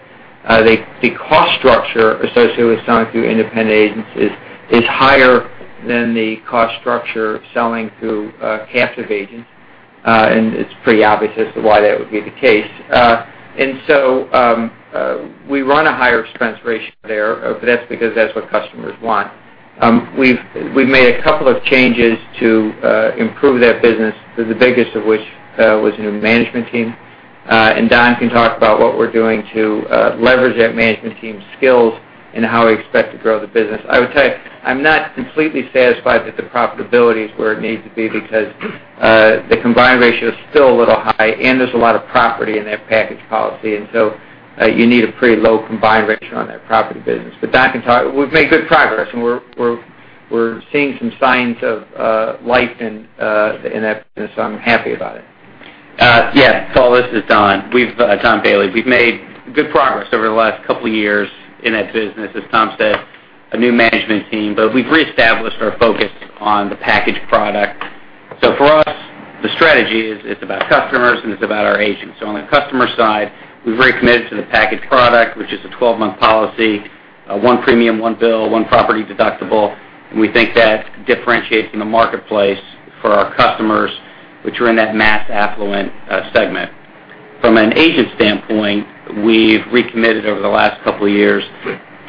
The cost structure associated with selling through independent agents is higher than the cost structure of selling through captive agents. It's pretty obvious as to why that would be the case. We run a higher expense ratio there, but that's because that's what customers want. We've made a couple of changes to improve that business, the biggest of which was a new management team. Don can talk about what we're doing to leverage that management team's skills and how we expect to grow the business. I would say, I'm not completely satisfied that the profitability is where it needs to be because the combined ratio is still a little high, and there's a lot of property in that package policy. You need a pretty low combined ratio on that property business. Don can talk. We've made good progress, and we're seeing some signs of life in that business. I'm happy about it. Yeah. Paul, this is Don Bailey. We've made good progress over the last couple of years in that business, as Tom said, a new management team. We've reestablished our focus on the package product. For us, the strategy is, it's about customers and it's about our agents. On the customer side, we've recommitted to the package product, which is a 12-month policy, one premium, one bill, one property deductible, and we think that differentiates in the marketplace for our customers, which are in that mass affluent segment. From an agent standpoint, we've recommitted over the last couple of years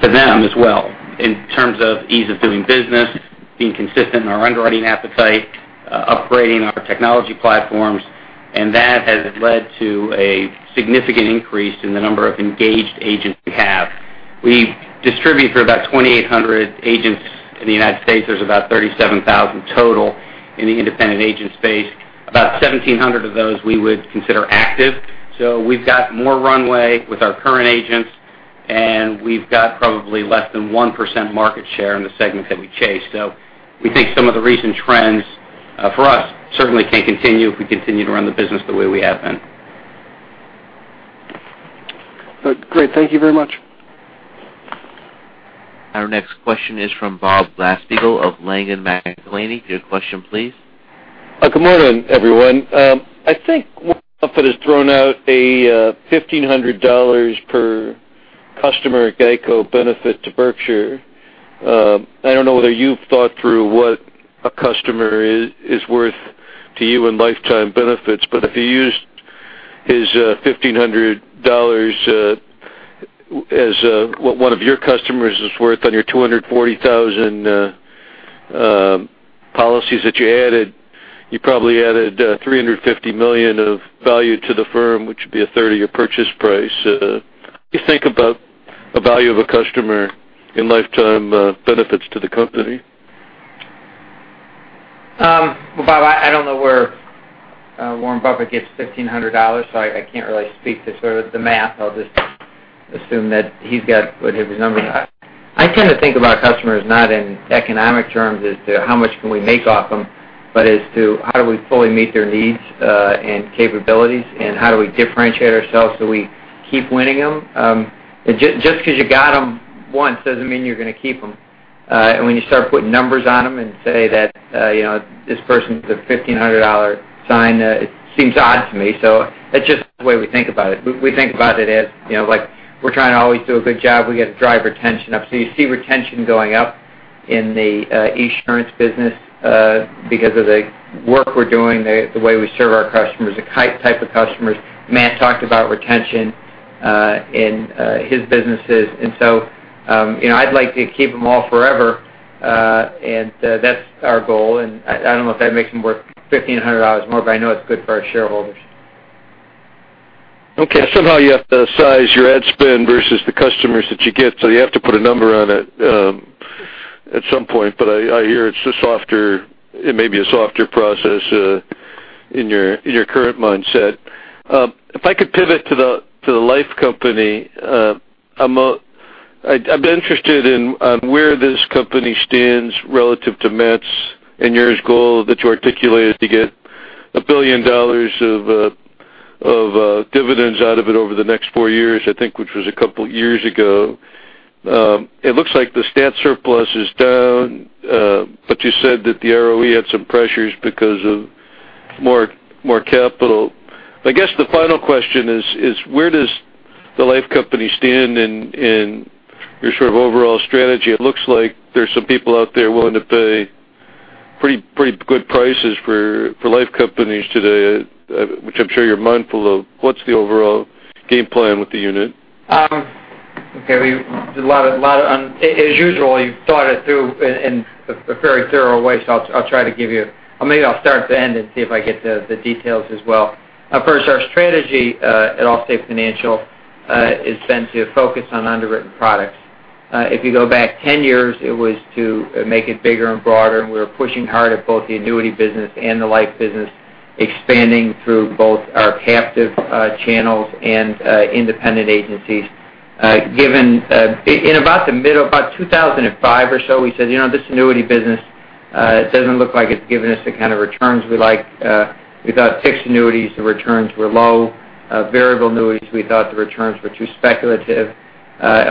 to them as well in terms of ease of doing business, being consistent in our underwriting appetite, upgrading our technology platforms, and that has led to a significant increase in the number of engaged agents we have. We distribute for about 2,800 agents in the U.S. There's about 37,000 total in the independent agent space. About 1,700 of those we would consider active. We've got more runway with our current agents, and we've got probably less than 1% market share in the segment that we chase. We think some of the recent trends, for us, certainly can continue if we continue to run the business the way we have been. Great. Thank you very much. Our next question is from Bob Glasspiegel of Langen McAlenney. Your question, please. Good morning, everyone. I think Warren Buffett has thrown out a $1,500 per customer GEICO benefit to Berkshire. I don't know whether you've thought through what a customer is worth to you in lifetime benefits, but if you used his $1,500 as what one of your customers is worth on your 240,000 policies that you added, you probably added $350 million of value to the firm, which would be a third of your purchase price. What do you think about the value of a customer in lifetime benefits to the company? Bob, I don't know where Warren Buffett gets $1,500, so I can't really speak to sort of the math. I'll just assume that he's got whatever his numbers are. I tend to think about customers not in economic terms as to how much can we make off them, but as to how do we fully meet their needs, and capabilities, and how do we differentiate ourselves so we keep winning them. When you start putting numbers on them and say that this person's a $1,500 sign, it seems odd to me. That's just the way we think about it. We think about it as we're trying to always do a good job. We've got to drive retention up. You see retention going up in the Esurance business because of the work we're doing, the way we serve our customers, the kind, type of customers. Matt talked about retention in his businesses. I'd like to keep them all forever, and that's our goal. I don't know if that makes them worth $1,500 more, but I know it's good for our shareholders. You have to size your ad spend versus the customers that you get. You have to put a number on it at some point. I hear it may be a softer process in your current mindset. If I could pivot to the life company, I'd be interested in where this company stands relative to Matt's and your goal that you articulated to get $1 billion of dividends out of it over the next 4 years, I think, which was a couple of years ago. It looks like the statutory surplus is down, but you said that the ROE had some pressures because of more capital. I guess the final question is: Where does the life company stand in your sort of overall strategy? It looks like there's some people out there willing to pay pretty good prices for life companies today, which I'm sure you're mindful of. What's the overall game plan with the unit? As usual, you thought it through in a very thorough way, I'll try to give you. Or maybe I'll start at the end and see if I get the details as well. First, our strategy at Allstate Financial is then to focus on underwritten products. If you go back 10 years, it was to make it bigger and broader, we were pushing hard at both the annuity business and the life business, expanding through both our captive channels and independent agencies. In about 2005 or so, we said, "This annuity business doesn't look like it's giving us the kind of returns we like." We thought fixed annuities, the returns were low. Variable annuities, we thought the returns were too speculative.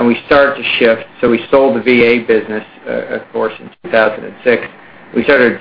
We started to shift, we sold the VA business, of course, in 2006. We started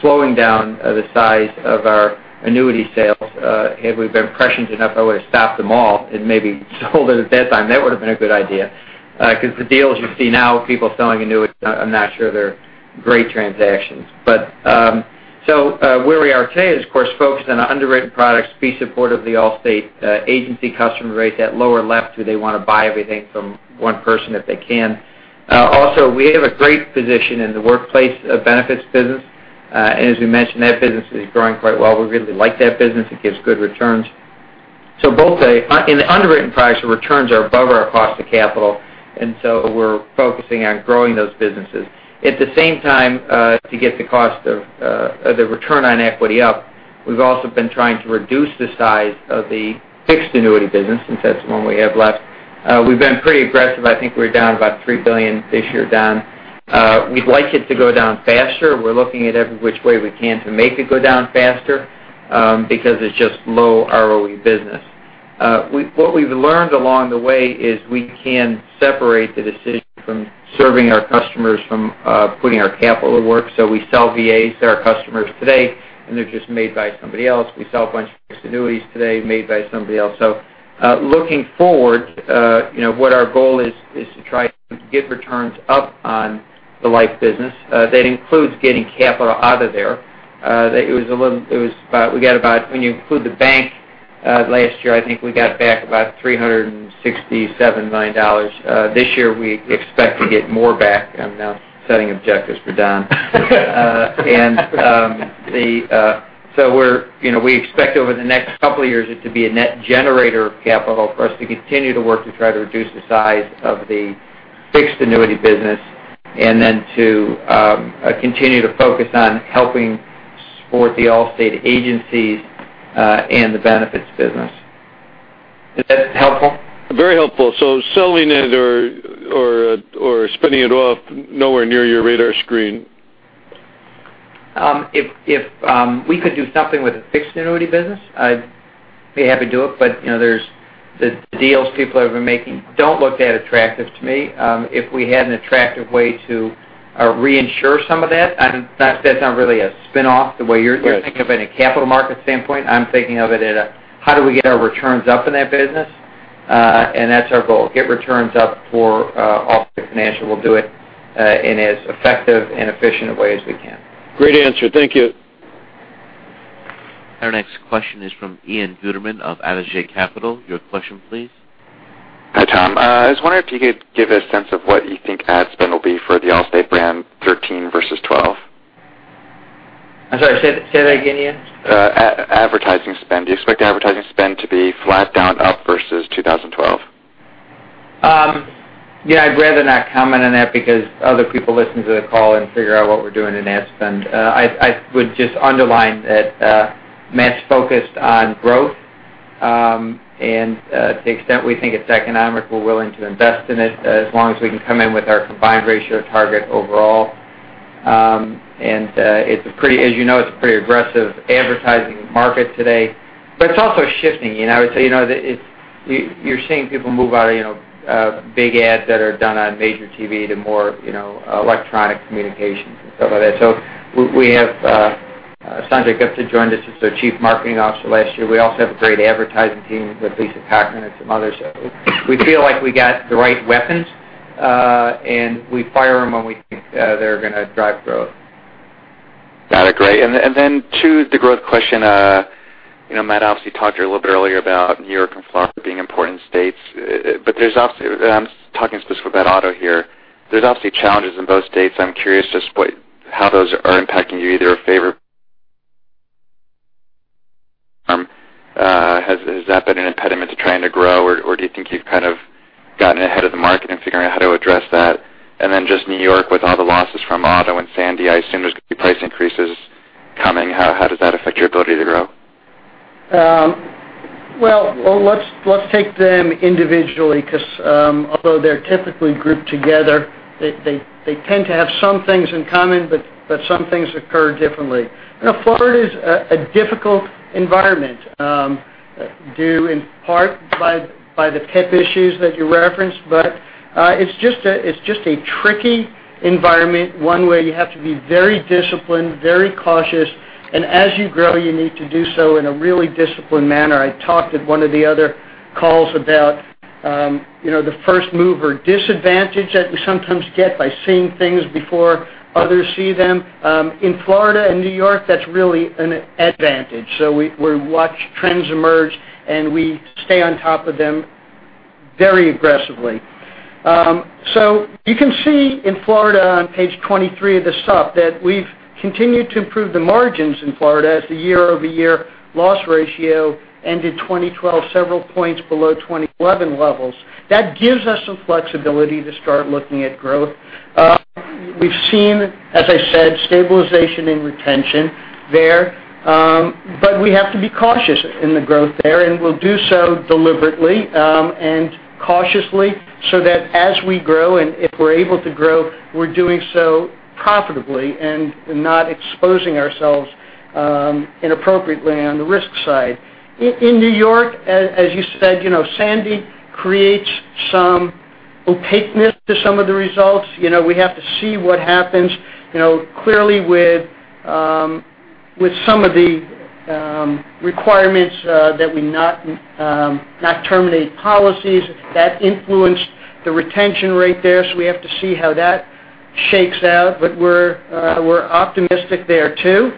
slowing down the size of our annuity sales. Had we been prescient enough, I would've stopped them all and maybe sold it at that time. That would've been a good idea. The deals you see now, people selling annuities, I'm not sure they're great transactions. Where we are today is, of course, focused on underwritten products, be supportive of the Allstate agency customer base, that lower left where they want to buy everything from one person if they can. Also, we have a great position in the workplace benefits business. As we mentioned, that business is growing quite well. We really like that business. It gives good returns. Both in underwritten products, the returns are above our cost of capital, we're focusing on growing those businesses. At the same time, to get the return on equity up, we've also been trying to reduce the size of the fixed annuity business, since that's the one we have left. We've been pretty aggressive. I think we're down about $3 billion this year, Don. We'd like it to go down faster. We're looking at every which way we can to make it go down faster, because it's just low ROE business. What we've learned along the way is we can separate the decision from serving our customers from putting our capital to work. We sell VAs to our customers today, and they're just made by somebody else. We sell a bunch of fixed annuities today made by somebody else. Looking forward, what our goal is to try to get returns up on the life business. That includes getting capital out of there. When you include the bank, last year, I think we got back about $367 million. This year, we expect to get more back. I'm now setting objectives for Don. We expect over the next couple of years it to be a net generator of capital for us to continue to work to try to reduce the size of the fixed annuity business and then to continue to focus on helping support the Allstate agencies, and the benefits business. Is that helpful? Very helpful. Selling it or spinning it off nowhere near your radar screen. If we could do something with the fixed annuity business, I'd be happy to do it. The deals people have been making don't look that attractive to me. If we had an attractive way to reinsure some of that's not really a spin-off the way you're thinking of it, a capital market standpoint. I'm thinking of it as how do we get our returns up in that business? That's our goal, get returns up for Allstate Financial. We'll do it in as effective and efficient a way as we can. Great answer. Thank you. Our next question is from Ian Gutterman of Adage Capital. Your question, please. Hi, Tom. I was wondering if you could give a sense of what you think ad spend will be for the Allstate brand 2013 versus 2012. I'm sorry, say that again, Ian. Advertising spend. Do you expect advertising spend to be flat, down, up versus 2012? Yeah, I'd rather not comment on that because other people listen to the call and figure out what we're doing in ad spend. I would just underline that Matt's focused on growth, and to the extent we think it's economic, we're willing to invest in it as long as we can come in with our combined ratio target overall. As you know, it's a pretty aggressive advertising market today, but it's also shifting. I would say, you're seeing people move out of big ads that are done on major TV to more electronic communications and stuff like that. We have Sanjay Gupta joined us as the chief marketing officer last year. We also have a great advertising team with Lisa Cochrane and some others. We feel like we got the right weapons, and we fire them when we think they're going to drive growth. Got it. Great. Then two, the growth question. Matt obviously talked here a little bit earlier about New York and Florida being important states. I'm talking specifically about auto here. There's obviously challenges in both states. I'm curious just how those are impacting you, either. Has that been an impediment to trying to grow, or do you think you've kind of gotten ahead of the market in figuring out how to address that? Then just New York with all the losses from auto and Sandy, I assume there's going to be price increases coming. How does that affect your ability to grow? Well, let's take them individually because although they're typically grouped together, they tend to have some things in common, but some things occur differently. Florida is a difficult environment, due in part by the PIP issues that you referenced. It's just a tricky environment, one where you have to be very disciplined, very cautious, and as you grow, you need to do so in a really disciplined manner. I talked at one of the other calls about the first-mover disadvantage that we sometimes get by seeing things before others see them. In Florida and New York, that's really an advantage. We watch trends emerge, and we stay on top of them Very aggressively. You can see in Florida on page 23 of the sup that we've continued to improve the margins in Florida as the year-over-year loss ratio ended 2012 several points below 2011 levels. That gives us some flexibility to start looking at growth. We've seen, as I said, stabilization in retention there. We have to be cautious in the growth there, and we'll do so deliberately and cautiously so that as we grow and if we're able to grow, we're doing so profitably and not exposing ourselves inappropriately on the risk side. In N.Y., as you said, Sandy creates some opaqueness to some of the results. We have to see what happens. Clearly, with some of the requirements that we not terminate policies, that influenced the retention rate there, so we have to see how that shakes out. We're optimistic there, too.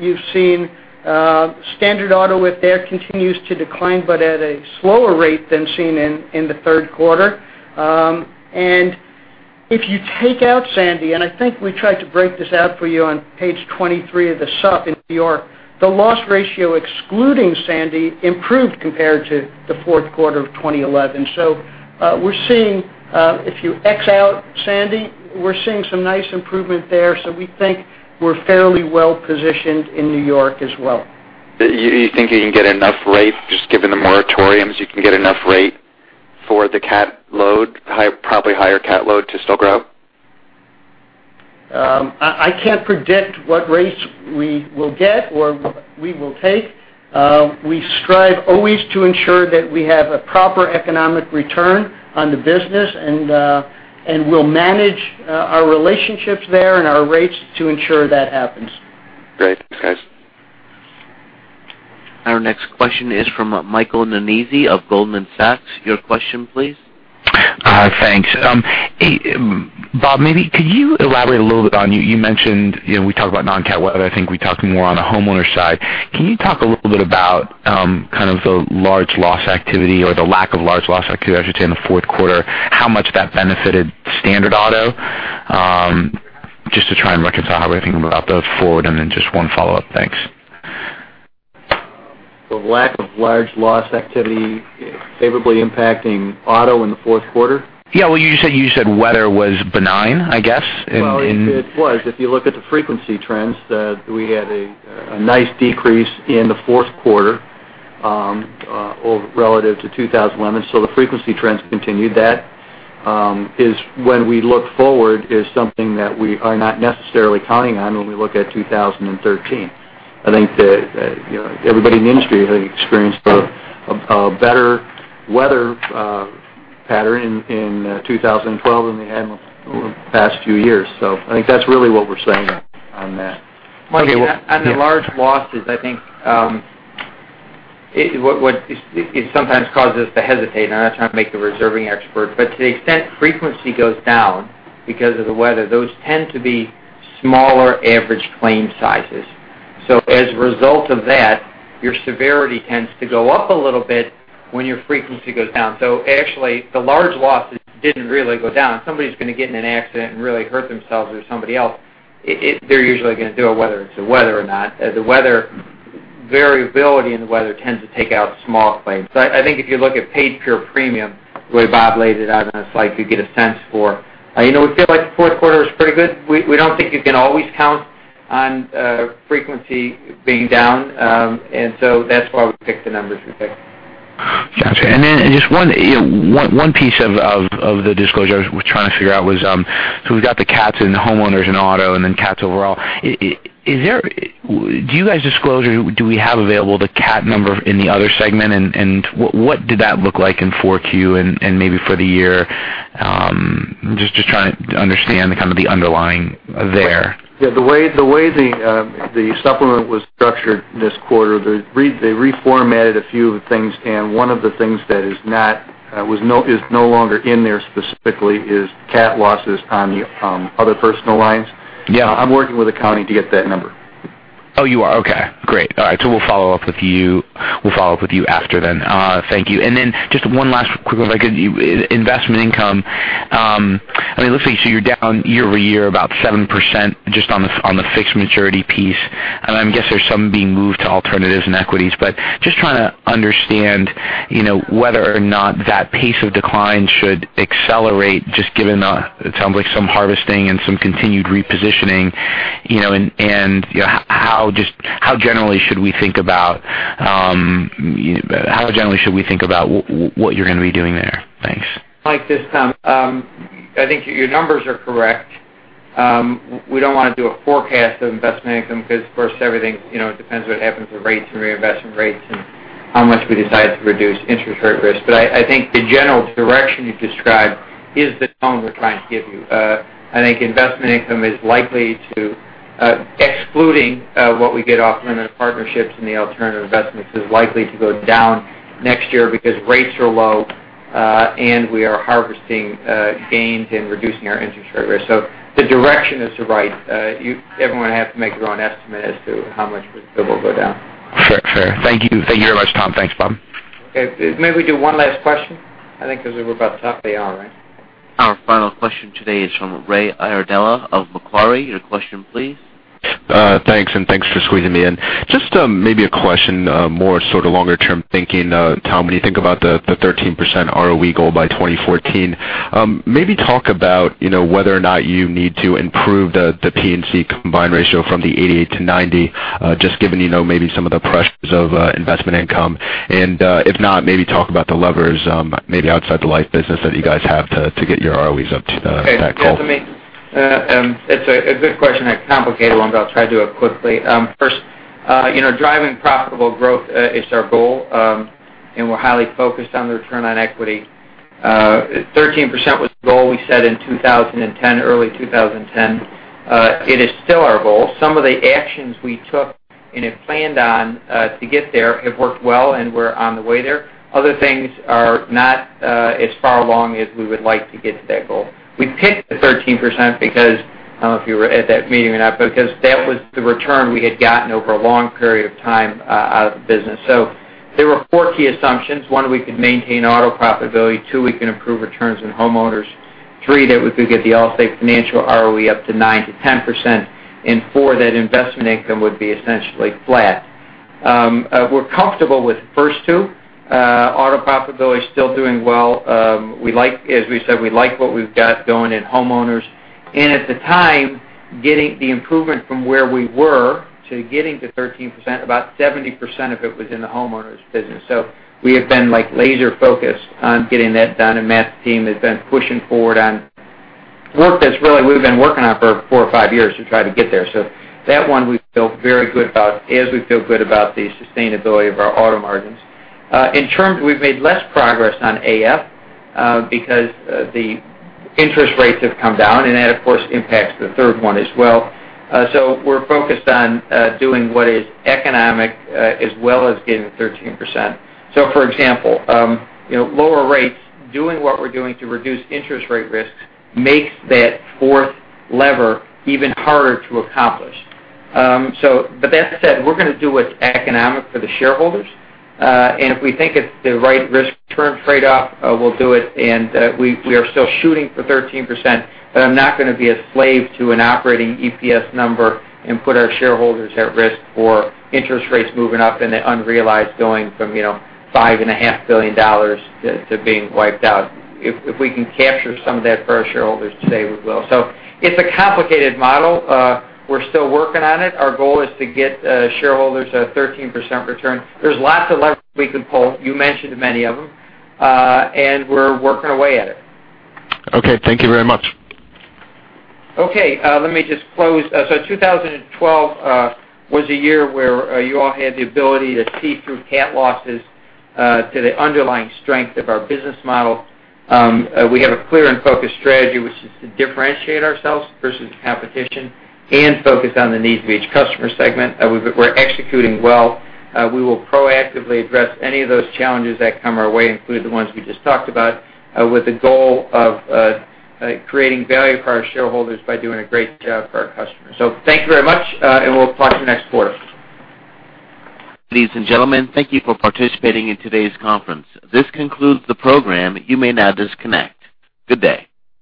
You've seen standard auto with there continues to decline but at a slower rate than seen in the third quarter. If you take out Sandy, and I think we tried to break this out for you on page 23 of the sup in N.Y., the loss ratio excluding Sandy improved compared to the fourth quarter of 2011. We're seeing, if you X out Sandy, we're seeing some nice improvement there, so we think we're fairly well positioned in N.Y. as well. Do you think you can get enough rate, just given the moratoriums, you can get enough rate for the cat load, probably higher cat load to still grow? I can't predict what rates we will get or we will take. We strive always to ensure that we have a proper economic return on the business, and we'll manage our relationships there and our rates to ensure that happens. Great. Thanks, guys. Our next question is from Michael Nannizzi of Goldman Sachs. Your question, please. Thanks. Bob, maybe could you elaborate a little bit on, you mentioned we talk about non-cat weather, I think we talked more on the homeowner side. Can you talk a little bit about kind of the large loss activity or the lack of large loss activity, I should say, in the fourth quarter, how much that benefited standard auto, just to try and reconcile how we're thinking about those forward, and then just one follow-up. Thanks. The lack of large loss activity favorably impacting auto in the fourth quarter? Yeah. Well, you said weather was benign, I guess, in- Well, it was. If you look at the frequency trends, we had a nice decrease in the fourth quarter relative to 2011. The frequency trends continued. That is when we look forward is something that we are not necessarily counting on when we look at 2013. I think that everybody in the industry experienced a better weather pattern in 2012 than they had in the past few years. I think that's really what we're saying on that. Okay, well- On the large losses, I think what it sometimes causes to hesitate, and I'm not trying to make the reserving expert, but to the extent frequency goes down because of the weather, those tend to be smaller average claim sizes. As a result of that, your severity tends to go up a little bit when your frequency goes down. Actually, the large losses didn't really go down. Somebody's going to get in an accident and really hurt themselves or somebody else, they're usually going to do it whether it's the weather or not. The variability in the weather tends to take out small claims. I think if you look at paid pure premium, the way Bob laid it out on a slide, you get a sense for-- we feel like the fourth quarter was pretty good. We don't think you can always count on frequency being down, so that's why we picked the numbers we picked. Got you. Then just one piece of the disclosure I was trying to figure out was, we've got the cats and the homeowners and auto, then cats overall. Do you guys disclose, or do we have available the cat number in the other segment, and what did that look like in 4Q and maybe for the year? Just trying to understand kind of the underlying there. The way the supplement was structured this quarter, they reformatted a few of the things, one of the things that is no longer in there specifically is cat losses on the other personal lines. Yeah. I'm working with accounting to get that number. Oh, you are? Okay, great. All right, we'll follow up with you after then. Thank you. Just one last quick one if I could. Investment income. It looks like you're down year-over-year about 7% just on the fixed maturity piece. I guess there's some being moved to alternatives and equities, just trying to understand whether or not that pace of decline should accelerate, just given it sounds like some harvesting and some continued repositioning, and how generally should we think about what you're going to be doing there? Thanks. Mike, this is Tom. I think your numbers are correct. We don't want to do a forecast of investment income because, of course, everything depends what happens with rates and reinvestment rates and how much we decide to reduce interest rate risk. I think the general direction you described is the tone we're trying to give you. I think investment income is likely to, excluding what we get off limited partnerships and the alternative investments, is likely to go down next year because rates are low and we are harvesting gains and reducing our interest rate risk. The direction is right. Everyone will have to make their own estimate as to how much it will go down. Sure. Thank you very much, Tom. Thanks, Bob. Okay. Maybe we do one last question, I think because we're about to top the hour, right? Our final question today is from Ray Iardella of Macquarie. Your question please. Thanks. Thanks for squeezing me in. Just maybe a question more sort of longer term thinking, Tom, when you think about the 13% ROE goal by 2014. Maybe talk about whether or not you need to improve the P&C combined ratio from the 88%-90%, just given maybe some of the pressures of investment income. If not, maybe talk about the levers maybe outside the life business that you guys have to get your ROEs up to that goal. Okay. It's a good question, a complicated one. I'll try to do it quickly. First, driving profitable growth is our goal. We're highly focused on the return on equity. 13% was the goal we set in 2010, early 2010. It is still our goal. Some of the actions we took and have planned on to get there have worked well. We're on the way there. Other things are not as far along as we would like to get to that goal. We picked the 13% because, I don't know if you were at that meeting or not, because that was the return we had gotten over a long period of time out of the business. There were four key assumptions. One, we could maintain auto profitability, two, we can improve returns on homeowners, three, that we could get the Allstate Financial ROE up to 9%-10%, four, that investment income would be essentially flat. We're comfortable with the first two. Auto profitability is still doing well. As we said, we like what we've got going in homeowners. At the time, getting the improvement from where we were to getting to 13%, about 70% of it was in the homeowners business. We have been laser focused on getting that done. Matt's team has been pushing forward on work that really we've been working on for four or five years to try to get there. That one we feel very good about, as we feel good about the sustainability of our auto margins. In terms, we've made less progress on AF because the interest rates have come down, that of course impacts the third one as well. We're focused on doing what is economic as well as getting 13%. For example, lower rates, doing what we're doing to reduce interest rate risks makes that fourth lever even harder to accomplish. That said, we're going to do what's economic for the shareholders. If we think it's the right risk return trade-off, we'll do it. We are still shooting for 13%, but I'm not going to be a slave to an operating EPS number and put our shareholders at risk for interest rates moving up and the unrealized going from five and a half billion dollars to being wiped out. If we can capture some of that for our shareholders today, we will. It's a complicated model. We're still working on it. Our goal is to get shareholders a 13% return. There's lots of levers we can pull. You mentioned many of them. We're working away at it. Okay. Thank you very much. Okay. Let me just close. 2012 was a year where you all had the ability to see through cat losses to the underlying strength of our business model. We have a clear and focused strategy, which is to differentiate ourselves versus competition and focus on the needs of each customer segment. We're executing well. We will proactively address any of those challenges that come our way, including the ones we just talked about, with the goal of creating value for our shareholders by doing a great job for our customers. Thank you very much, we'll talk to you next quarter. Ladies and gentlemen, thank you for participating in today's conference. This concludes the program. You may now disconnect. Good day.